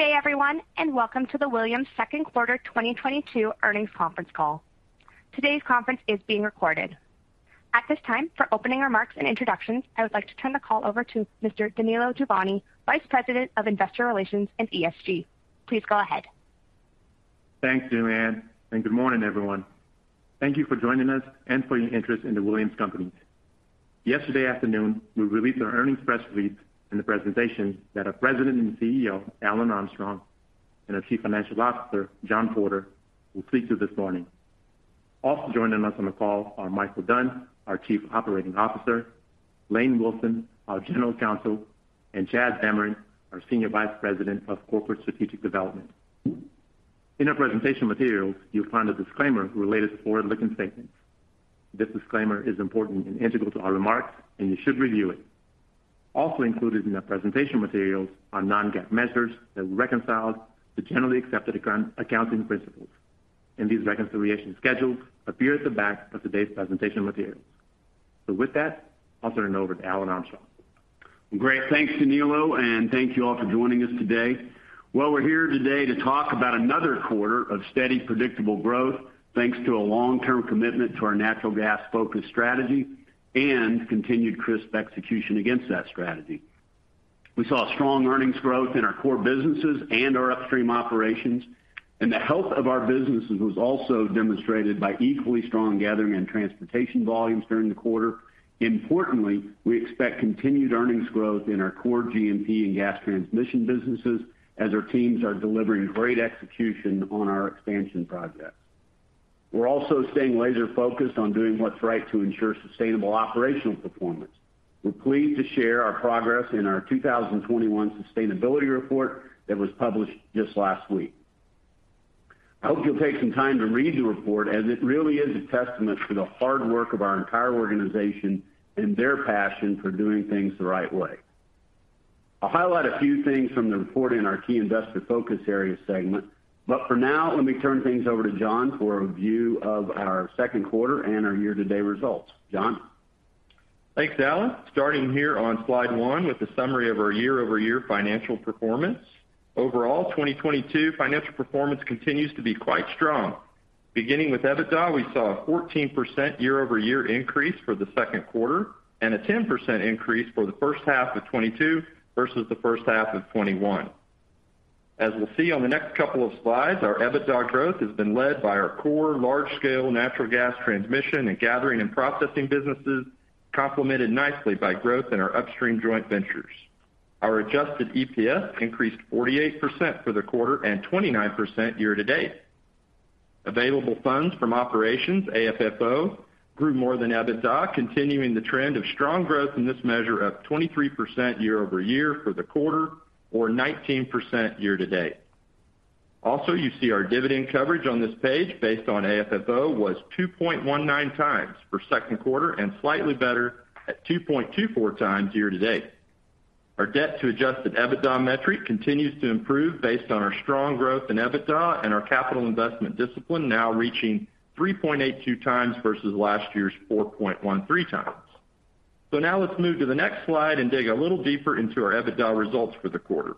Good day, everyone, and welcome to the Williams Second Quarter 2022 Earnings Conference Call. Today's conference is being recorded. At this time, for opening remarks and introductions, I would like to turn the call over to Mr. Danilo Juvane, Vice President of Investor Relations and ESG. Please go ahead. Thanks, Julianne, and good morning, everyone. Thank you for joining us and for your interest in The Williams Companies. Yesterday afternoon, we released our earnings press release and the presentation that our President and CEO, Alan Armstrong, and our Chief Financial Officer, John Porter, will speak to this morning. Also joining us on the call are Michael Dunn, our Chief Operating Officer, Lane Wilson, our General Counsel, and Chad Zamarin, our Senior Vice President of Corporate Strategic Development. In our presentation materials, you'll find a disclaimer related to forward-looking statements. This disclaimer is important and integral to our remarks, and you should review it. Also included in our presentation materials are non-GAAP measures that reconcile to generally accepted accounting principles, and these reconciliation schedules appear at the back of today's presentation materials. With that, I'll turn it over to Alan Armstrong. Great. Thanks, Danilo, and thank you all for joining us today. Well, we're here today to talk about another quarter of steady, predictable growth thanks to a long-term commitment to our natural gas-focused strategy and continued crisp execution against that strategy. We saw strong earnings growth in our core businesses and our upstream operations, and the health of our businesses was also demonstrated by equally strong gathering and transportation volumes during the quarter. Importantly, we expect continued earnings growth in our core G&P and gas transmission businesses as our teams are delivering great execution on our expansion projects. We're also staying laser-focused on doing what's right to ensure sustainable operational performance. We're pleased to share our progress in our 2021 sustainability report that was published just last week. I hope you'll take some time to read the report, as it really is a testament to the hard work of our entire organization and their passion for doing things the right way. I'll highlight a few things from the report in our key investor focus area segment, but for now, let me turn things over to John for a view of our second quarter and our year-to-date results. John? Thanks, Alan. Starting here on slide one with a summary of our year-over-year financial performance. Overall, 2022 financial performance continues to be quite strong. Beginning with EBITDA, we saw a 14% year-over-year increase for the second quarter and a 10% increase for the first half of 2022 versus the first half of 2021. As we'll see on the next couple of slides, our EBITDA growth has been led by our core large-scale natural gas transmission and gathering and processing businesses, complemented nicely by growth in our upstream joint ventures. Our adjusted EPS increased 48% for the quarter and 29% year-to-date. Available funds from operations, AFFO, grew more than EBITDA, continuing the trend of strong growth in this measure of 23% year-over-year for the quarter, or 19% year-to-date. You see our dividend coverage on this page based on AFFO was 2.19 times for second quarter and slightly better at 2.24 times year-to-date. Our debt to adjusted EBITDA metric continues to improve based on our strong growth in EBITDA and our capital investment discipline now reaching 3.82 times versus last year's 4.13 times. Now let's move to the next slide and dig a little deeper into our EBITDA results for the quarter.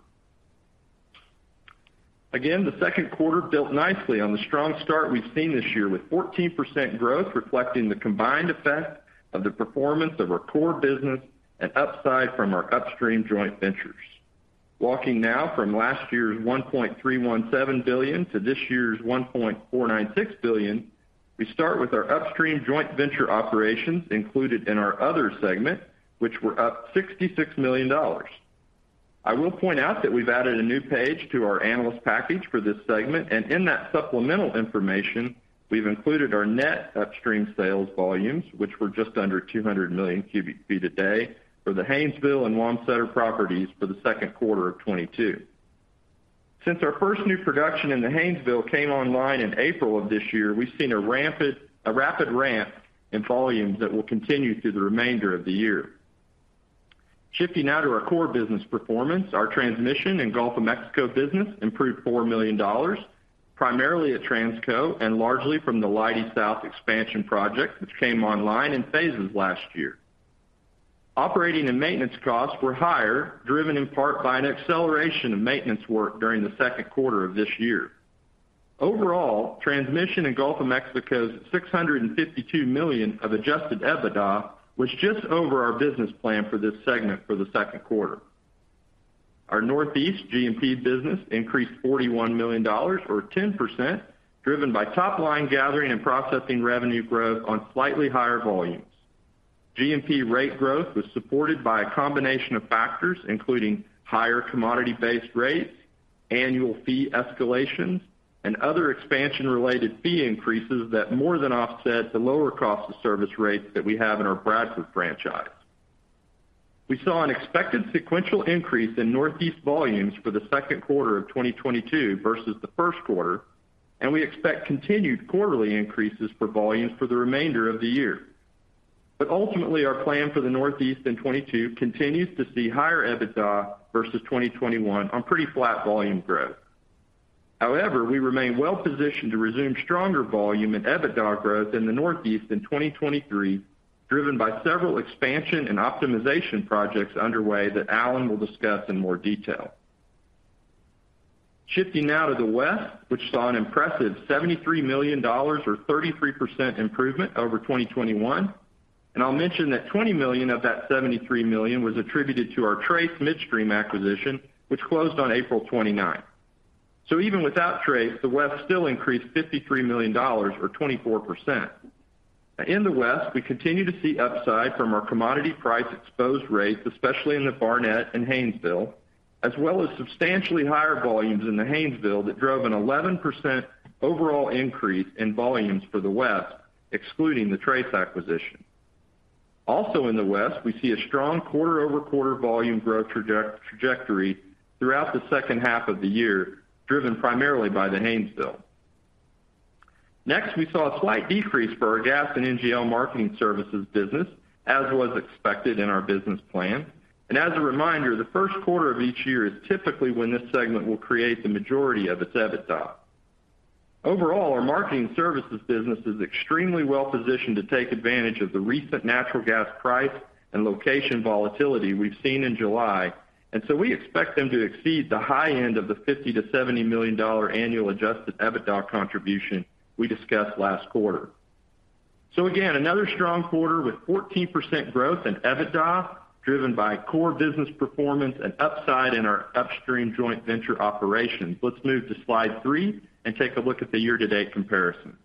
Again, the second quarter built nicely on the strong start we've seen this year with 14% growth reflecting the combined effect of the performance of our core business and upside from our upstream joint ventures. Walking now from last year's $1.317 billion to this year's $1.496 billion, we start with our upstream joint venture operations included in our other segment, which were up $66 million. I will point out that we've added a new page to our analyst package for this segment, and in that supplemental information, we've included our net upstream sales volumes, which were just under 200 million cubic feet a day for the Haynesville and Wamsutter properties for the second quarter of 2022. Since our first new production in the Haynesville came online in April of this year, we've seen a rapid ramp in volumes that will continue through the remainder of the year. Shifting now to our core business performance, our Transmission and Gulf of Mexico business improved $4 million, primarily at Transco and largely from the Leidy South expansion project which came online in phases last year. Operating and maintenance costs were higher, driven in part by an acceleration of maintenance work during the second quarter of this year. Overall, Transmission and Gulf of Mexico's $652 million of adjusted EBITDA was just over our business plan for this segment for the second quarter. Our Northeast G&P business increased $41 million or 10%, driven by top-line gathering and processing revenue growth on slightly higher volumes. G&P rate growth was supported by a combination of factors, including higher commodity-based rates, annual fee escalations, and other expansion-related fee increases that more than offset the lower cost of service rates that we have in our Bradford franchise. We saw an expected sequential increase in Northeast volumes for the second quarter of 2022 versus the first quarter, and we expect continued quarterly increases for volumes for the remainder of the year. Ultimately, our plan for the Northeast in 2022 continues to see higher EBITDA versus 2021 on pretty flat volume growth. However, we remain well-positioned to resume stronger volume and EBITDA growth in the Northeast in 2023, driven by several expansion and optimization projects underway that Alan will discuss in more detail. Shifting now to the West, which saw an impressive $73 million or 33% improvement over 2021. I'll mention that $20 million of that $73 million was attributed to our Trace Midstream acquisition, which closed on April 29. Even without Trace, the West still increased $53 million or 24%. In the West, we continue to see upside from our commodity price exposed rates, especially in the Barnett and Haynesville, as well as substantially higher volumes in the Haynesville that drove an 11% overall increase in volumes for the West, excluding the Trace acquisition. Also in the West, we see a strong quarter-over-quarter volume growth trajectory throughout the second half of the year, driven primarily by the Haynesville. Next, we saw a slight decrease for our gas and NGL marketing services business, as was expected in our business plan. As a reminder, the first quarter of each year is typically when this segment will create the majority of its EBITDA. Overall, our marketing services business is extremely well-positioned to take advantage of the recent natural gas price and location volatility we've seen in July. We expect them to exceed the high end of the $50-$70 million annual adjusted EBITDA contribution we discussed last quarter. Again, another strong quarter with 14% growth in EBITDA, driven by core business performance and upside in our upstream joint venture operations. Let's move to slide three and take a look at the year-to-date comparison.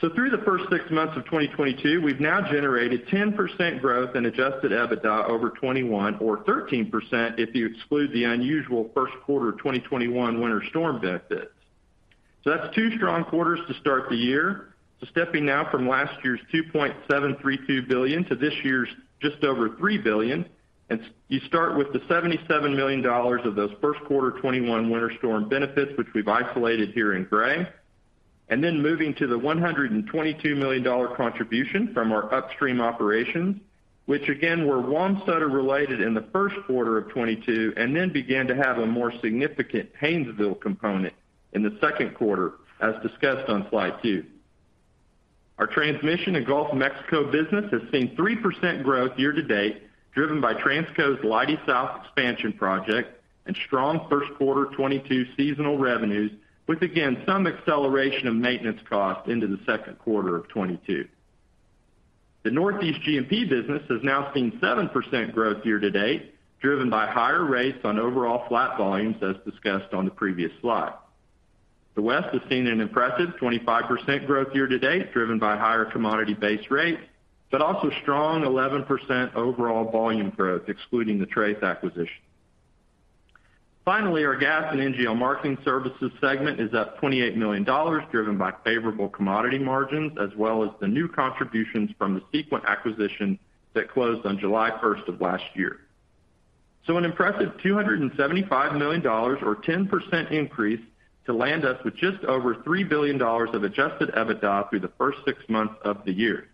Through the first six months of 2022, we've now generated 10% growth in adjusted EBITDA over 2021 or 13% if you exclude the unusual first quarter of 2021 winter storm benefits. That's two strong quarters to start the year. Stepping now from last year's $2.732 billion to this year's just over $3 billion. You start with the $77 million of those first quarter 2021 winter storm benefits, which we've isolated here in gray. Then moving to the $122 million contribution from our upstream operations, which again, were Wamsutter related in the first quarter of 2022 and then began to have a more significant Haynesville component in the second quarter as discussed on slide two. Our transmission and Gulf of Mexico business has seen 3% growth year-to-date, driven by Transco's Leidy South expansion project and strong first quarter 2022 seasonal revenues, with again, some acceleration of maintenance costs into the second quarter of 2022. The Northeast G&P business has now seen 7% growth year-to-date, driven by higher rates on overall flat volumes as discussed on the previous slide. The West has seen an impressive 25% growth year-to-date, driven by higher commodity base rates, but also strong 11% overall volume growth excluding the Trace acquisition. Finally, our gas and NGL marketing services segment is up $28 million, driven by favorable commodity margins as well as the new contributions from the Sequent acquisition that closed on July first of last year. An impressive $275 million or 10% increase to land us with just over $3 billion of adjusted EBITDA through the first six months of the year.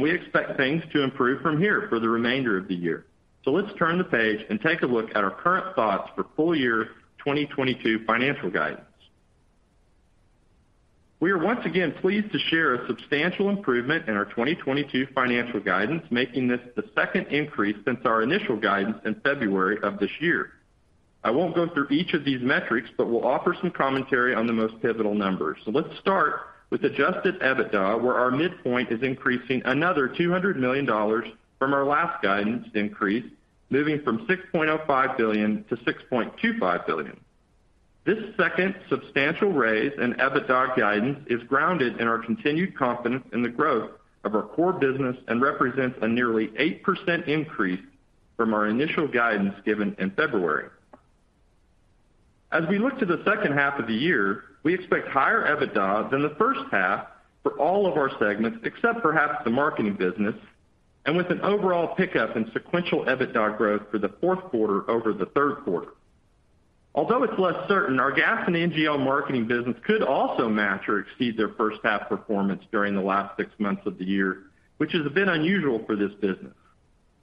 We expect things to improve from here for the remainder of the year. Let's turn the page and take a look at our current thoughts for full-year 2022 financial guidance. We are once again pleased to share a substantial improvement in our 2022 financial guidance, making this the second increase since our initial guidance in February of this year. I won't go through each of these metrics, but we'll offer some commentary on the most pivotal numbers. Let's start with adjusted EBITDA, where our midpoint is increasing another $200 million from our last guidance increase, moving from $6.05 billion-$6.25 billion. This second substantial raise in EBITDA guidance is grounded in our continued confidence in the growth of our core business and represents a nearly 8% increase from our initial guidance given in February. As we look to the second half of the year, we expect higher EBITDA than the first half for all of our segments, except perhaps the marketing business, and with an overall pickup in sequential EBITDA growth for the fourth quarter over the third quarter. Although it's less certain, our gas and NGL marketing business could also match or exceed their first half performance during the last six months of the year, which is a bit unusual for this business.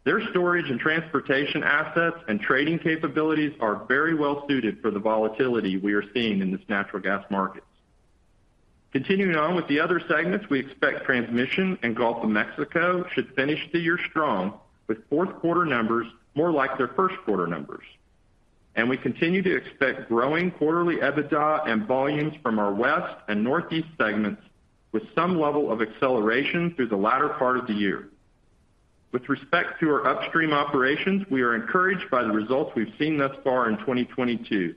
Their storage and transportation assets and trading capabilities are very well suited for the volatility we are seeing in this natural gas market. Continuing on with the other segments, we expect transmission in Gulf of Mexico should finish the year strong with fourth quarter numbers more like their first quarter numbers. We continue to expect growing quarterly EBITDA and volumes from our West and Northeast segments with some level of acceleration through the latter part of the year. With respect to our upstream operations, we are encouraged by the results we've seen thus far in 2022.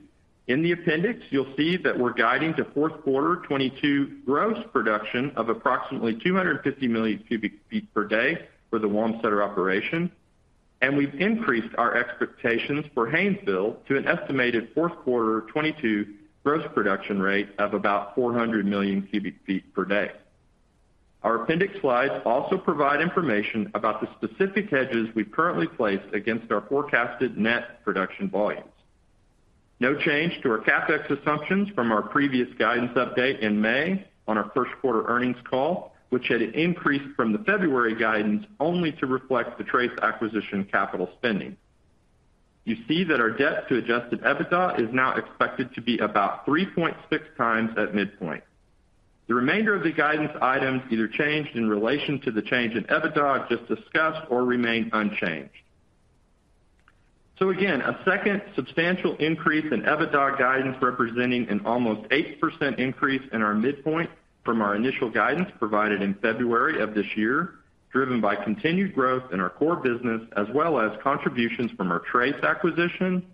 In the appendix, you'll see that we're guiding to fourth quarter 2022 gross production of approximately 250 million cubic feet per day for the Wamsutter operation. We've increased our expectations for Haynesville to an estimated fourth quarter 2022 gross production rate of about 400 million cubic feet per day. Our appendix slides also provide information about the specific hedges we've currently placed against our forecasted net production volumes. No change to our CapEx assumptions from our previous guidance update in May on our first quarter earnings call, which had increased from the February guidance only to reflect the Trace acquisition capital spending. You see that our debt to adjusted EBITDA is now expected to be about 3.6 times at midpoint. The remainder of the guidance items either changed in relation to the change in EBITDA just discussed or remain unchanged. Again, a second substantial increase in EBITDA guidance representing an almost 8% increase in our midpoint from our initial guidance provided in February of this year, driven by continued growth in our core business as well as contributions from our Trace acquisition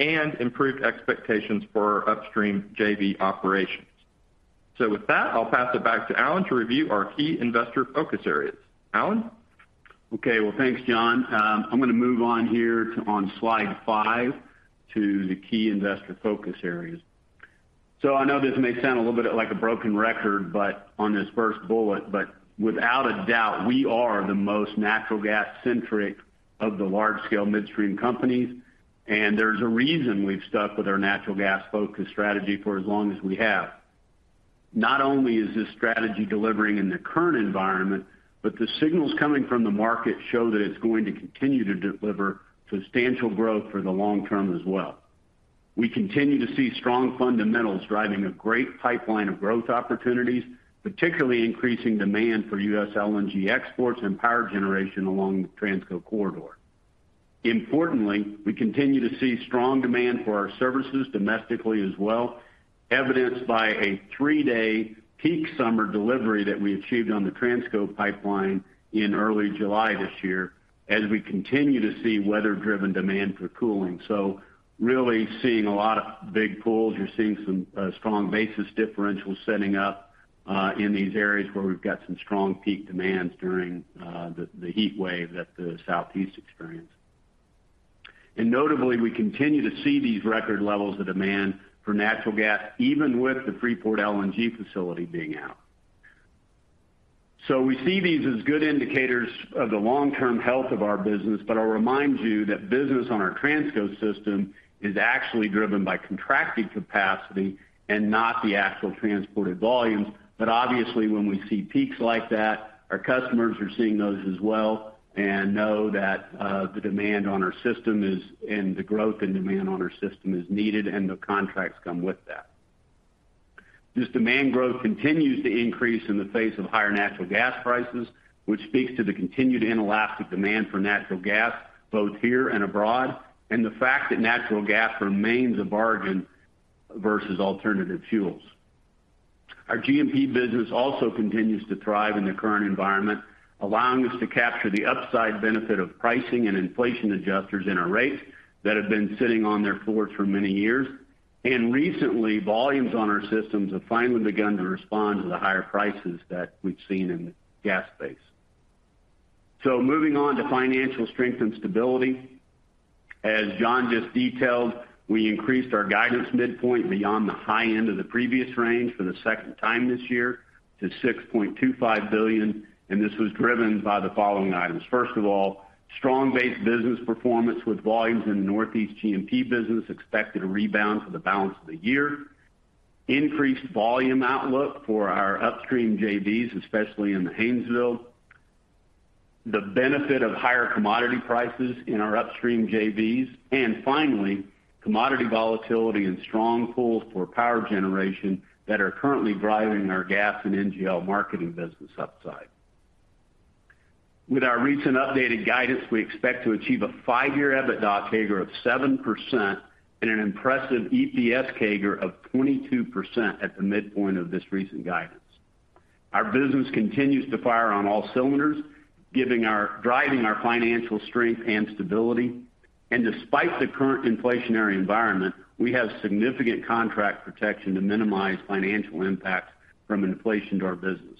and improved expectations for our upstream JV operations. With that, I'll pass it back to Alan to review our key investor focus areas. Alan? Okay. Well, thanks, John. I'm gonna move on here to slide five to the key investor focus areas. I know this may sound a little bit like a broken record, but on this first bullet, without a doubt, we are the most natural gas-centric of the large-scale midstream companies, and there's a reason we've stuck with our natural gas-focused strategy for as long as we have. Not only is this strategy delivering in the current environment, but the signals coming from the market show that it's going to continue to deliver substantial growth for the long term as well. We continue to see strong fundamentals driving a great pipeline of growth opportunities, particularly increasing demand for U.S. LNG exports and power generation along the Transco corridor. Importantly, we continue to see strong demand for our services domestically as well, evidenced by a three-day peak summer delivery that we achieved on the Transco pipeline in early July this year as we continue to see weather-driven demand for cooling. Really seeing a lot of big pools. You're seeing some strong basis differentials setting up in these areas where we've got some strong peak demands during the heat wave that the Southeast experienced. Notably, we continue to see these record levels of demand for natural gas even with the Freeport LNG facility being out. We see these as good indicators of the long-term health of our business, but I'll remind you that business on our Transco system is actually driven by contracted capacity and not the actual transported volumes. Obviously, when we see peaks like that, our customers are seeing those as well and know that the demand on our system is and the growth in demand on our system is needed and the contracts come with that. This demand growth continues to increase in the face of higher natural gas prices, which speaks to the continued inelastic demand for natural gas both here and abroad, and the fact that natural gas remains a bargain versus alternative fuels. Our G&P business also continues to thrive in the current environment, allowing us to capture the upside benefit of pricing and inflation adjusters in our rates that have been sitting on their floors for many years. Recently, volumes on our systems have finally begun to respond to the higher prices that we've seen in the gas space. Moving on to financial strength and stability. As John just detailed, we increased our guidance midpoint beyond the high end of the previous range for the second time this year to $6.25 billion, and this was driven by the following items. First of all, strong base business performance with volumes in Northeast G&P business expected to rebound for the balance of the year, increased volume outlook for our upstream JVs, especially in the Haynesville, the benefit of higher commodity prices in our upstream JVs, and finally, commodity volatility and strong pools for power generation that are currently driving our gas and NGL marketing business upside. With our recent updated guidance, we expect to achieve a five-year EBITDA CAGR of 7% and an impressive EPS CAGR of 22% at the midpoint of this recent guidance. Our business continues to fire on all cylinders, driving our financial strength and stability. Despite the current inflationary environment, we have significant contract protection to minimize financial impact from inflation to our business.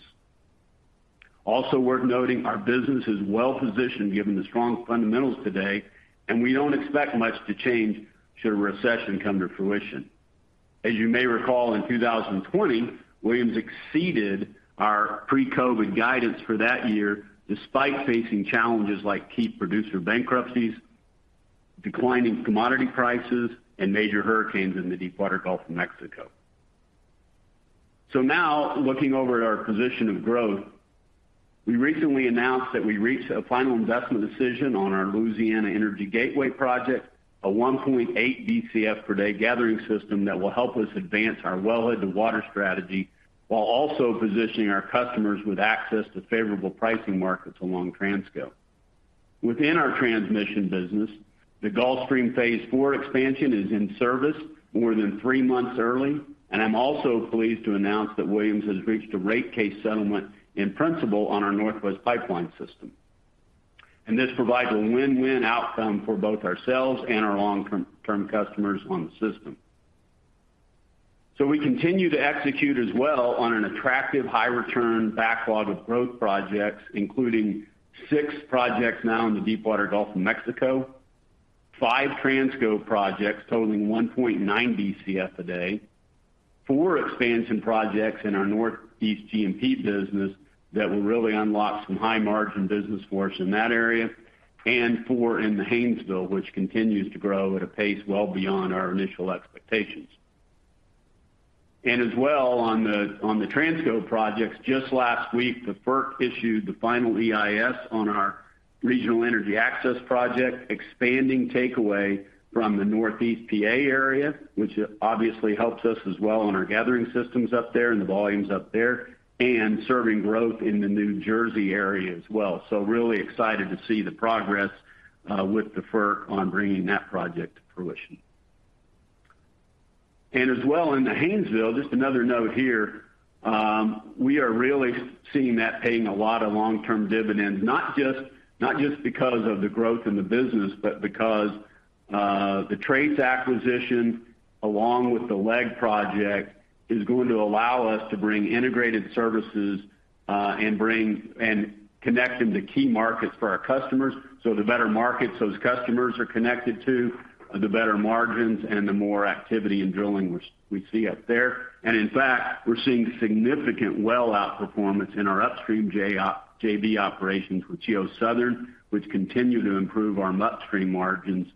Also worth noting, our business is well positioned given the strong fundamentals today, and we don't expect much to change should a recession come to fruition. As you may recall, in 2020, Williams exceeded our pre-COVID guidance for that year despite facing challenges like key producer bankruptcies, declining commodity prices, and major hurricanes in the Deepwater Gulf of Mexico. Now, looking over at our position of growth, we recently announced that we reached a final investment decision on our Louisiana Energy Gateway project, a 1.8 Bcf per day gathering system that will help us advance our wellhead to water strategy while also positioning our customers with access to favorable pricing markets along Transco. Within our transmission business, the Gulfstream Phase IV expansion is in service more than three months early. I'm also pleased to announce that Williams has reached a rate case settlement in principle on our Northwest Pipeline system. This provides a win-win outcome for both ourselves and our long-term customers on the system. We continue to execute as well on an attractive high return backlog of growth projects, including 6 projects now in the Deepwater Gulf of Mexico, 5 Transco projects totaling 1.9 Bcf a day, 4 expansion projects in our Northeast G&P business that will really unlock some high-margin business for us in that area, and 4 in the Haynesville, which continues to grow at a pace well beyond our initial expectations. As well on the Transco projects, just last week, the FERC issued the final EIS on our Regional Energy Access Expansion Project, expanding takeaway from the Northeast PA area, which obviously helps us as well on our gathering systems up there and the volumes up there, and serving growth in the New Jersey area as well. Really excited to see the progress with the FERC on bringing that project to fruition. As well in the Haynesville, just another note here, we are really seeing that paying a lot of long-term dividends, not just because of the growth in the business, but because the Trace acquisition, along with the LEG project, is going to allow us to bring integrated services and connect them to key markets for our customers. So the better markets those customers are connected to, the better margins and the more activity in drilling we see up there. In fact, we're seeing significant well outperformance in our upstream JV operations with GeoSouthern, which continue to improve our upstream margins.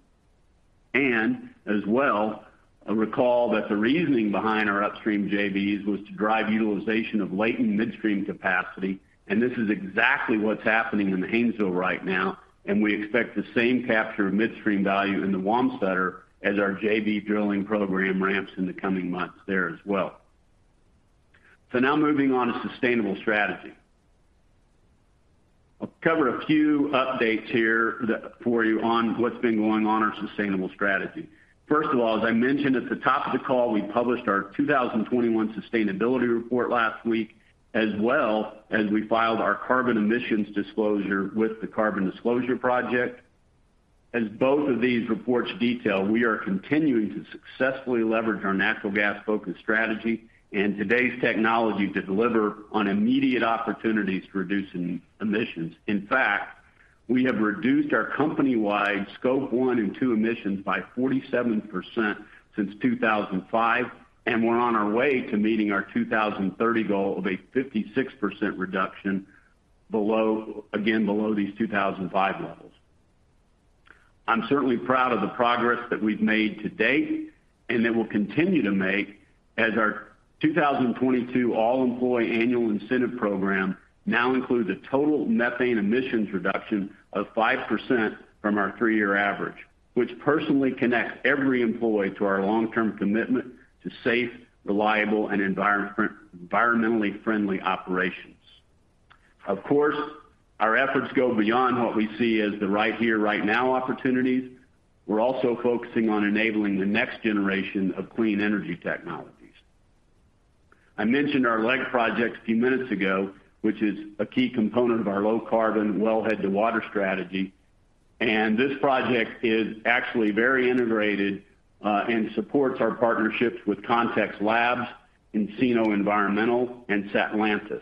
As well, recall that the reasoning behind our upstream JVs was to drive utilization of latent midstream capacity, and this is exactly what's happening in Haynesville right now, and we expect the same capture of midstream value in the Wamsutter as our JV drilling program ramps in the coming months there as well. Now moving on to sustainable strategy. I'll cover a few updates here for you on what's been going on our sustainable strategy. First of all, as I mentioned at the top of the call, we published our 2021 sustainability report last week, as well as we filed our carbon emissions disclosure with the Carbon Disclosure Project. As both of these reports detail, we are continuing to successfully leverage our natural gas-focused strategy and today's technology to deliver on immediate opportunities to reducing emissions. In fact, we have reduced our company-wide scope one and two emissions by 47% since 2005, and we're on our way to meeting our 2030 goal of a 56% reduction below, again below these 2005 levels. I'm certainly proud of the progress that we've made to date and that we'll continue to make as our 2022 all-employee annual incentive program now includes a total methane emissions reduction of 5% from our 3-year average, which personally connects every employee to our long-term commitment to safe, reliable, and environmentally friendly operations. Of course, our efforts go beyond what we see as the right here, right now opportunities. We're also focusing on enabling the next generation of clean energy technologies. I mentioned our LEG project a few minutes ago, which is a key component of our low carbon wellhead-to-water strategy. This project is actually very integrated, and supports our partnerships with Context Labs, Encino Environmental, and Satlantis,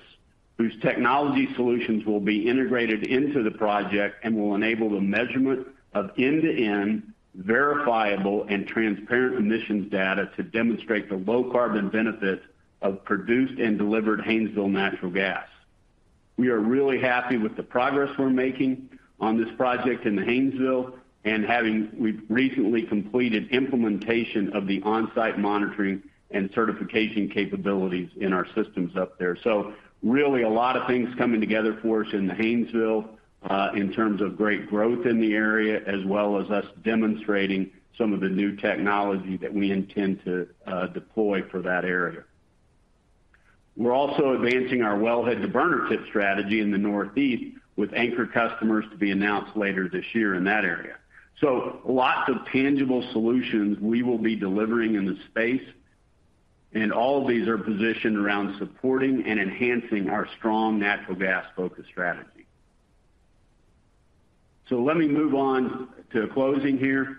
whose technology solutions will be integrated into the project and will enable the measurement of end-to-end, verifiable, and transparent emissions data to demonstrate the low carbon benefit of produced and delivered Haynesville Natural Gas. We are really happy with the progress we're making on this project in the Haynesville, and we've recently completed implementation of the on-site monitoring and certification capabilities in our systems up there. Really a lot of things coming together for us in the Haynesville, in terms of great growth in the area, as well as us demonstrating some of the new technology that we intend to deploy for that area. We're also advancing our wellhead-to-burner tip strategy in the Northeast with anchor customers to be announced later this year in that area. Lots of tangible solutions we will be delivering in the space, and all of these are positioned around supporting and enhancing our strong natural gas-focused strategy. Let me move on to closing here.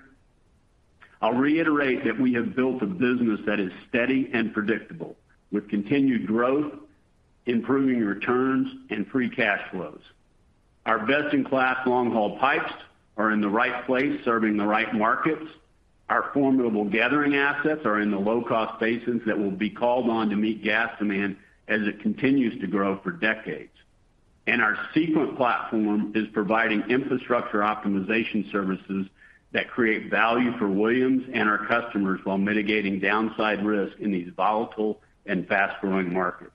I'll reiterate that we have built a business that is steady and predictable, with continued growth, improving returns, and free cash flows. Our best-in-class long-haul pipes are in the right place, serving the right markets. Our formidable gathering assets are in the low-cost basins that will be called on to meet gas demand as it continues to grow for decades. Our Sequent platform is providing infrastructure optimization services that create value for Williams and our customers while mitigating downside risk in these volatile and fast-growing markets.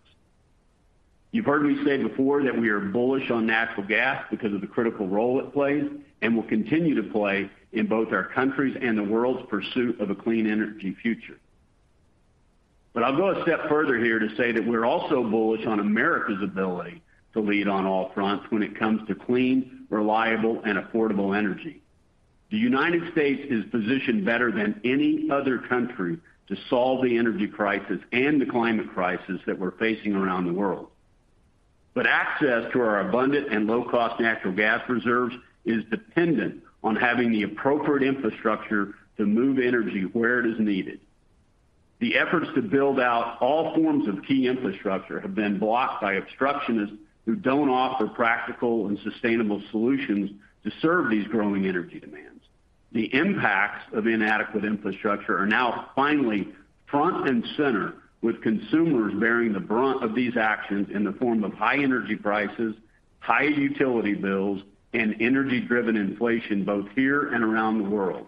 You've heard me say before that we are bullish on natural gas because of the critical role it plays and will continue to play in both our country's and the world's pursuit of a clean energy future. I'll go a step further here to say that we're also bullish on America's ability to lead on all fronts when it comes to clean, reliable, and affordable energy. The United States is positioned better than any other country to solve the energy crisis and the climate crisis that we're facing around the world. Access to our abundant and low-cost natural gas reserves is dependent on having the appropriate infrastructure to move energy where it is needed. The efforts to build out all forms of key infrastructure have been blocked by obstructionists who don't offer practical and sustainable solutions to serve these growing energy demands. The impacts of inadequate infrastructure are now finally front and center with consumers bearing the brunt of these actions in the form of high energy prices and high utility bills and energy driven inflation both here and around the world.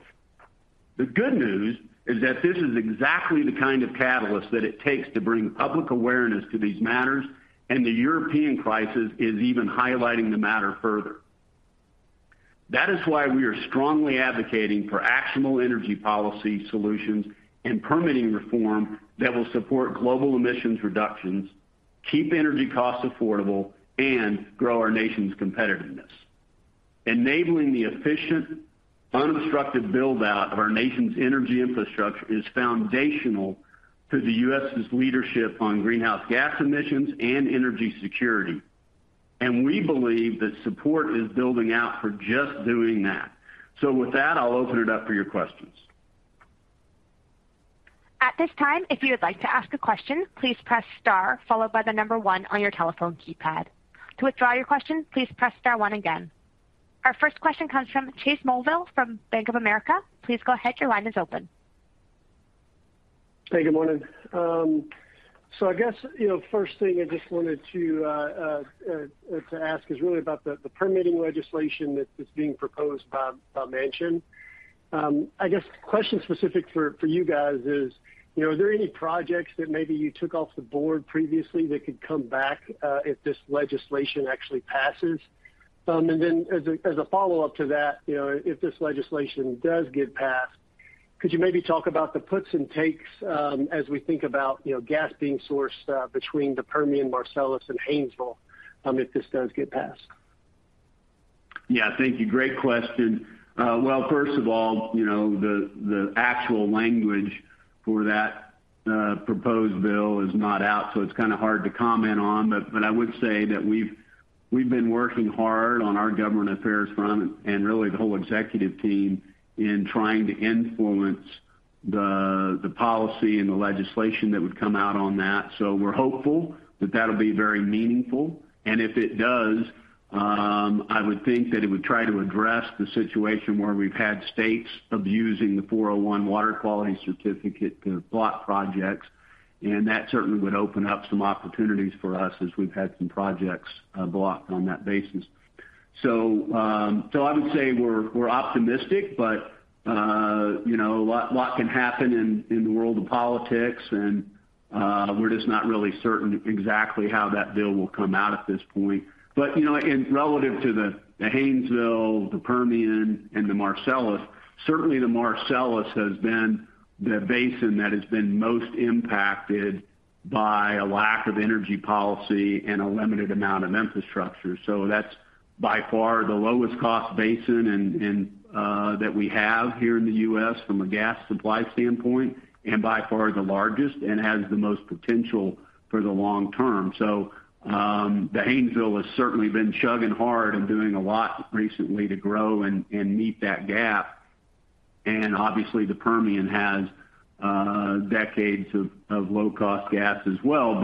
The good news is that this is exactly the kind of catalyst that it takes to bring public awareness to these matters, and the European crisis is even highlighting the matter further. That is why we are strongly advocating for actionable energy policy solutions and permitting reform that will support global emissions reductions, keep energy costs affordable, and grow our nation's competitiveness. Enabling the efficient, unobstructed build-out of our nation's energy infrastructure is foundational to the U.S.'s leadership on greenhouse gas emissions and energy security. We believe that support is building out for just doing that. With that, I'll open it up for your questions. At this time, if you would like to ask a question, please press star followed by the number one on your telephone keypad. To withdraw your question, please press star one again. Our first question comes from Chase Mulvehill from Bank of America. Please go ahead. Your line is open. Hey, good morning. I guess, you know, first thing I just wanted to ask is really about the permitting legislation that's being proposed by Manchin. I guess question specific for you guys is, you know, are there any projects that maybe you took off the board previously that could come back if this legislation actually passes? Then as a follow-up to that, you know, if this legislation does get passed, could you maybe talk about the puts and takes as we think about, you know, gas being sourced between the Permian, Marcellus and Haynesville, if this does get passed? Yeah, thank you. Great question. Well, first of all, you know, the actual language for that proposed bill is not out, so it's kind of hard to comment on. But I would say that we've been working hard on our government affairs front and really the whole executive team in trying to influence the policy and the legislation that would come out on that. We're hopeful that that'll be very meaningful. If it does, I would think that it would try to address the situation where we've had states abusing the Section 401 Water Quality Certification to block projects. That certainly would open up some opportunities for us as we've had some projects blocked on that basis. I would say we're optimistic, but you know, a lot can happen in the world of politics, and we're just not really certain exactly how that bill will come out at this point. You know, relative to the Haynesville, the Permian, and the Marcellus, certainly the Marcellus has been the basin that has been most impacted by a lack of energy policy and a limited amount of infrastructure. That's by far the lowest cost basin and that we have here in the U.S. from a gas supply standpoint, and by far the largest and has the most potential for the long term. The Haynesville has certainly been chugging hard and doing a lot recently to grow and meet that gap. Obviously, the Permian has decades of low cost gas as well.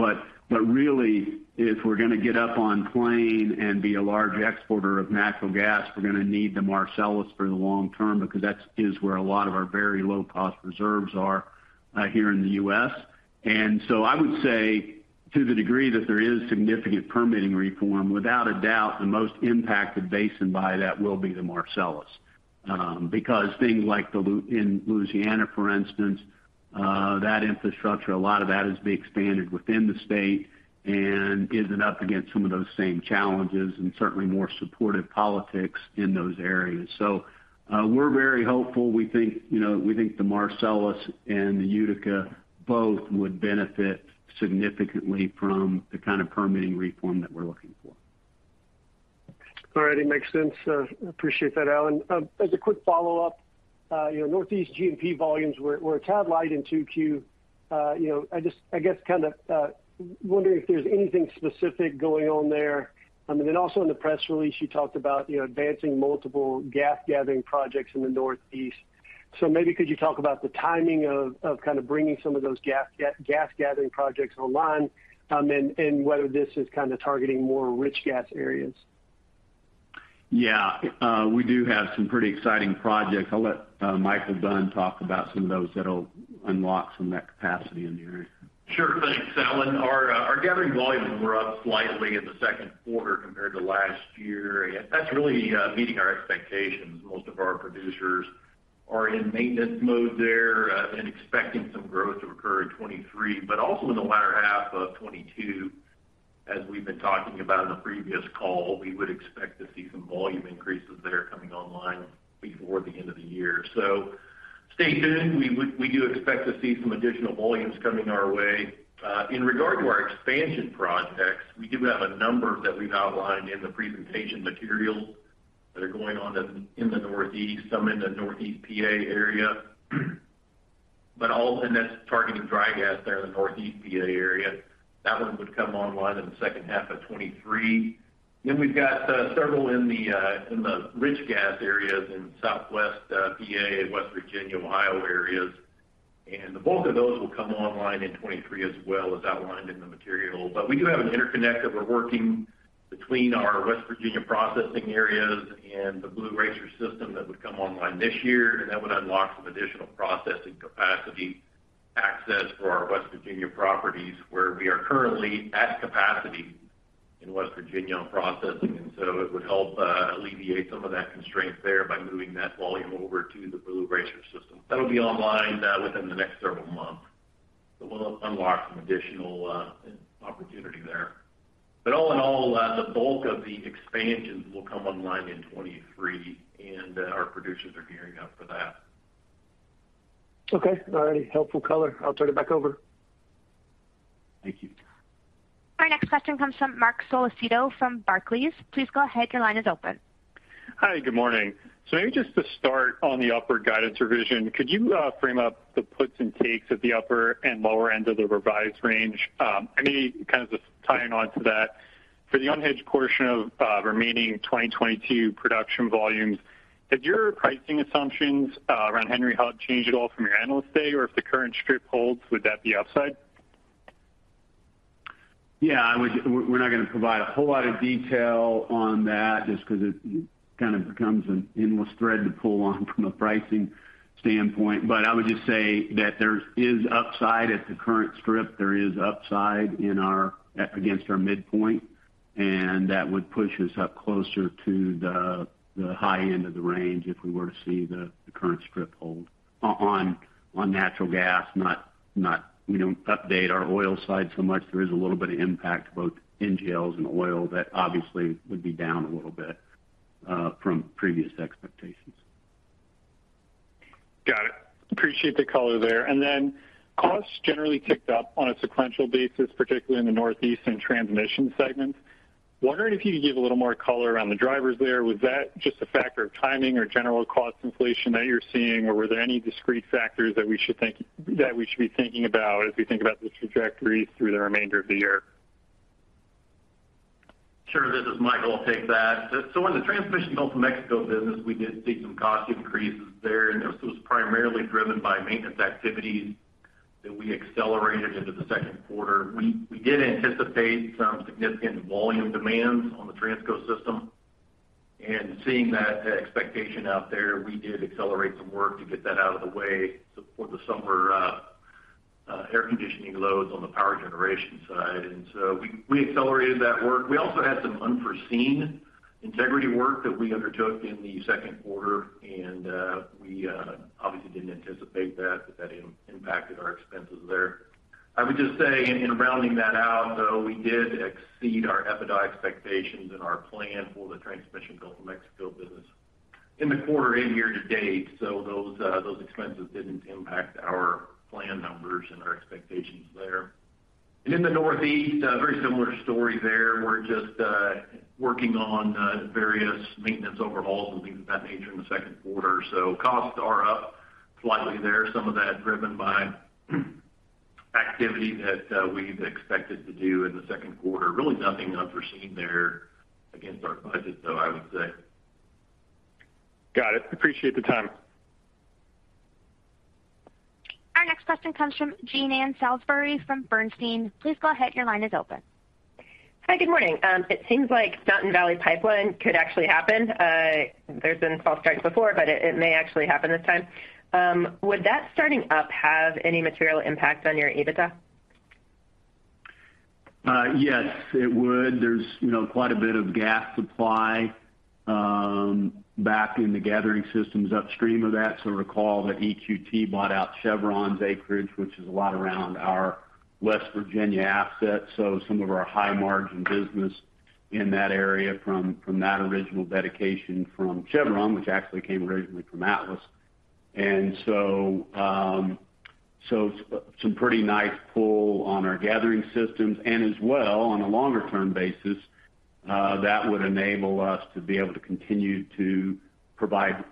But really, if we're gonna get up on plane and be a large exporter of natural gas, we're gonna need the Marcellus for the long term, because that is where a lot of our very low cost reserves are here in the U.S. I would say to the degree that there is significant permitting reform, without a doubt, the most impacted basin by that will be the Marcellus. Because things like in Louisiana, for instance, that infrastructure, a lot of that is being expanded within the state and isn't up against some of those same challenges and certainly more supportive politics in those areas. We're very hopeful. We think, you know, we think the Marcellus and the Utica both would benefit significantly from the kind of permitting reform that we're looking for. All right. It makes sense. Appreciate that, Alan. As a quick follow-up, you know, Northeast G&P volumes were a tad light in 2Q. You know, I just, I guess kind of wondering if there's anything specific going on there. I mean, then also in the press release, you talked about, you know, advancing multiple gas gathering projects in the Northeast. Maybe could you talk about the timing of kind of bringing some of those gas gathering projects online, and whether this is kind of targeting more rich gas areas? Yeah. We do have some pretty exciting projects. I'll let Michael Dunn talk about some of those that'll unlock some of that capacity in the area. Sure thing, Alan. Our gathering volumes were up slightly in the second quarter compared to last year. That's really meeting our expectations. Most of our producers are in maintenance mode there and expecting some growth to occur in 2023. Also in the latter half of 2022, as we've been talking about in the previous call, we would expect to see some volume increases there coming online before the end of the year. Stay tuned. We do expect to see some additional volumes coming our way. In regard to our expansion projects, we do have a number that we've outlined in the presentation materials that are going on in the Northeast, some in the Northeast PA area. That's targeting dry gas there in the Northeast PA area. That one would come online in the second half of 2023. We've got several in the rich gas areas in Southwest PA and West Virginia, Ohio areas. The bulk of those will come online in 2023 as well as outlined in the material. We do have an interconnect that we're working between our West Virginia processing areas and the Blue Racer system that would come online this year, and that would unlock some additional processing capacity. Access for our West Virginia properties where we are currently at capacity in West Virginia on processing. It would help alleviate some of that constraint there by moving that volume over to the Blue Racer system. That'll be online within the next several months. We'll unlock some additional opportunity there. All in all, the bulk of the expansions will come online in 2023, and our producers are gearing up for that. Okay. All right. Helpful color. I'll turn it back over. Thank you. Our next question comes from Marc Solecitto from Barclays. Please go ahead. Your line is open. Hi. Good morning. Maybe just to start on the upper guidance revision, could you frame up the puts and takes at the upper and lower end of the revised range? Any kind of just tying on to that, for the unhedged portion of remaining 2022 production volumes, have your pricing assumptions around Henry Hub changed at all from your Analyst Day? Or if the current strip holds, would that be upside? Yeah, we're not going to provide a whole lot of detail on that just because it kind of becomes an endless thread to pull on from a pricing standpoint. I would just say that there is upside at the current strip. There is upside against our midpoint, and that would push us up closer to the high end of the range if we were to see the current strip hold on natural gas. We don't update our oil side so much. There is a little bit of impact, both NGLs and oil, that obviously would be down a little bit from previous expectations. Got it. Appreciate the color there. Then costs generally ticked up on a sequential basis, particularly in the Northeast and Transmission segments. Wondering if you could give a little more color around the drivers there. Was that just a factor of timing or general cost inflation that you're seeing? Or were there any discrete factors that we should be thinking about as we think about the trajectory through the remainder of the year? Sure. This is Michael. I'll take that. In the Transmission Gulf of Mexico business, we did see some cost increases there, and this was primarily driven by maintenance activities that we accelerated into the second quarter. We did anticipate some significant volume demands on the Transco system. Seeing that expectation out there, we did accelerate some work to get that out of the way before the summer air conditioning loads on the power generation side. We accelerated that work. We also had some unforeseen integrity work that we undertook in the second quarter, and we obviously didn't anticipate that, but that impacted our expenses there. I would just say in rounding that out, though, we did exceed our EBITDA expectations in our plan for the Transmission Gulf of Mexico business in the quarter and year-to-date. Those expenses didn't impact our plan numbers and our expectations there. In the Northeast, a very similar story there. We're just working on various maintenance overhauls and things of that nature in the second quarter. Costs are up slightly there, some of that driven by activity that we've expected to do in the second quarter. Really nothing unforeseen there against our budget, though, I would say. Got it. Appreciate the time. Our next question comes from Jean Ann Salisbury from Bernstein. Please go ahead. Your line is open. Hi. Good morning. It seems like Mountain Valley Pipeline could actually happen. There's been false starts before, but it may actually happen this time. Would that starting up have any material impact on your EBITDA? Yes, it would. There's you know quite a bit of gas supply back in the gathering systems upstream of that. Recall that EQT bought out Chevron's acreage, which is a lot around our West Virginia assets. Some of our high-margin business in that area from that original dedication from Chevron, which actually came originally from Atlas. And some pretty nice pull on our gathering systems and as well on a longer-term basis that would enable us to be able to continue to provide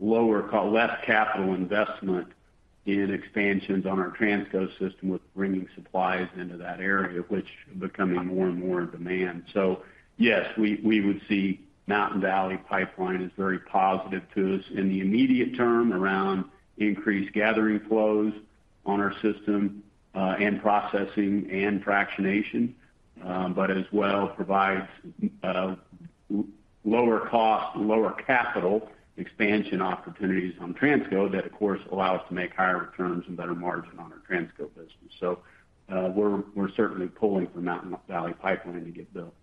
less capital investment in expansions on our Transco system with bringing supplies into that area, which becoming more and more in demand. Yes, we would see Mountain Valley Pipeline as very positive to us in the immediate term around increased gathering flows on our system and processing and fractionation. Williams provides lower cost, lower capital expansion opportunities on Transco that of course allow us to make higher returns and better margin on our Transco business. We're certainly pulling for Mountain Valley Pipeline to get built.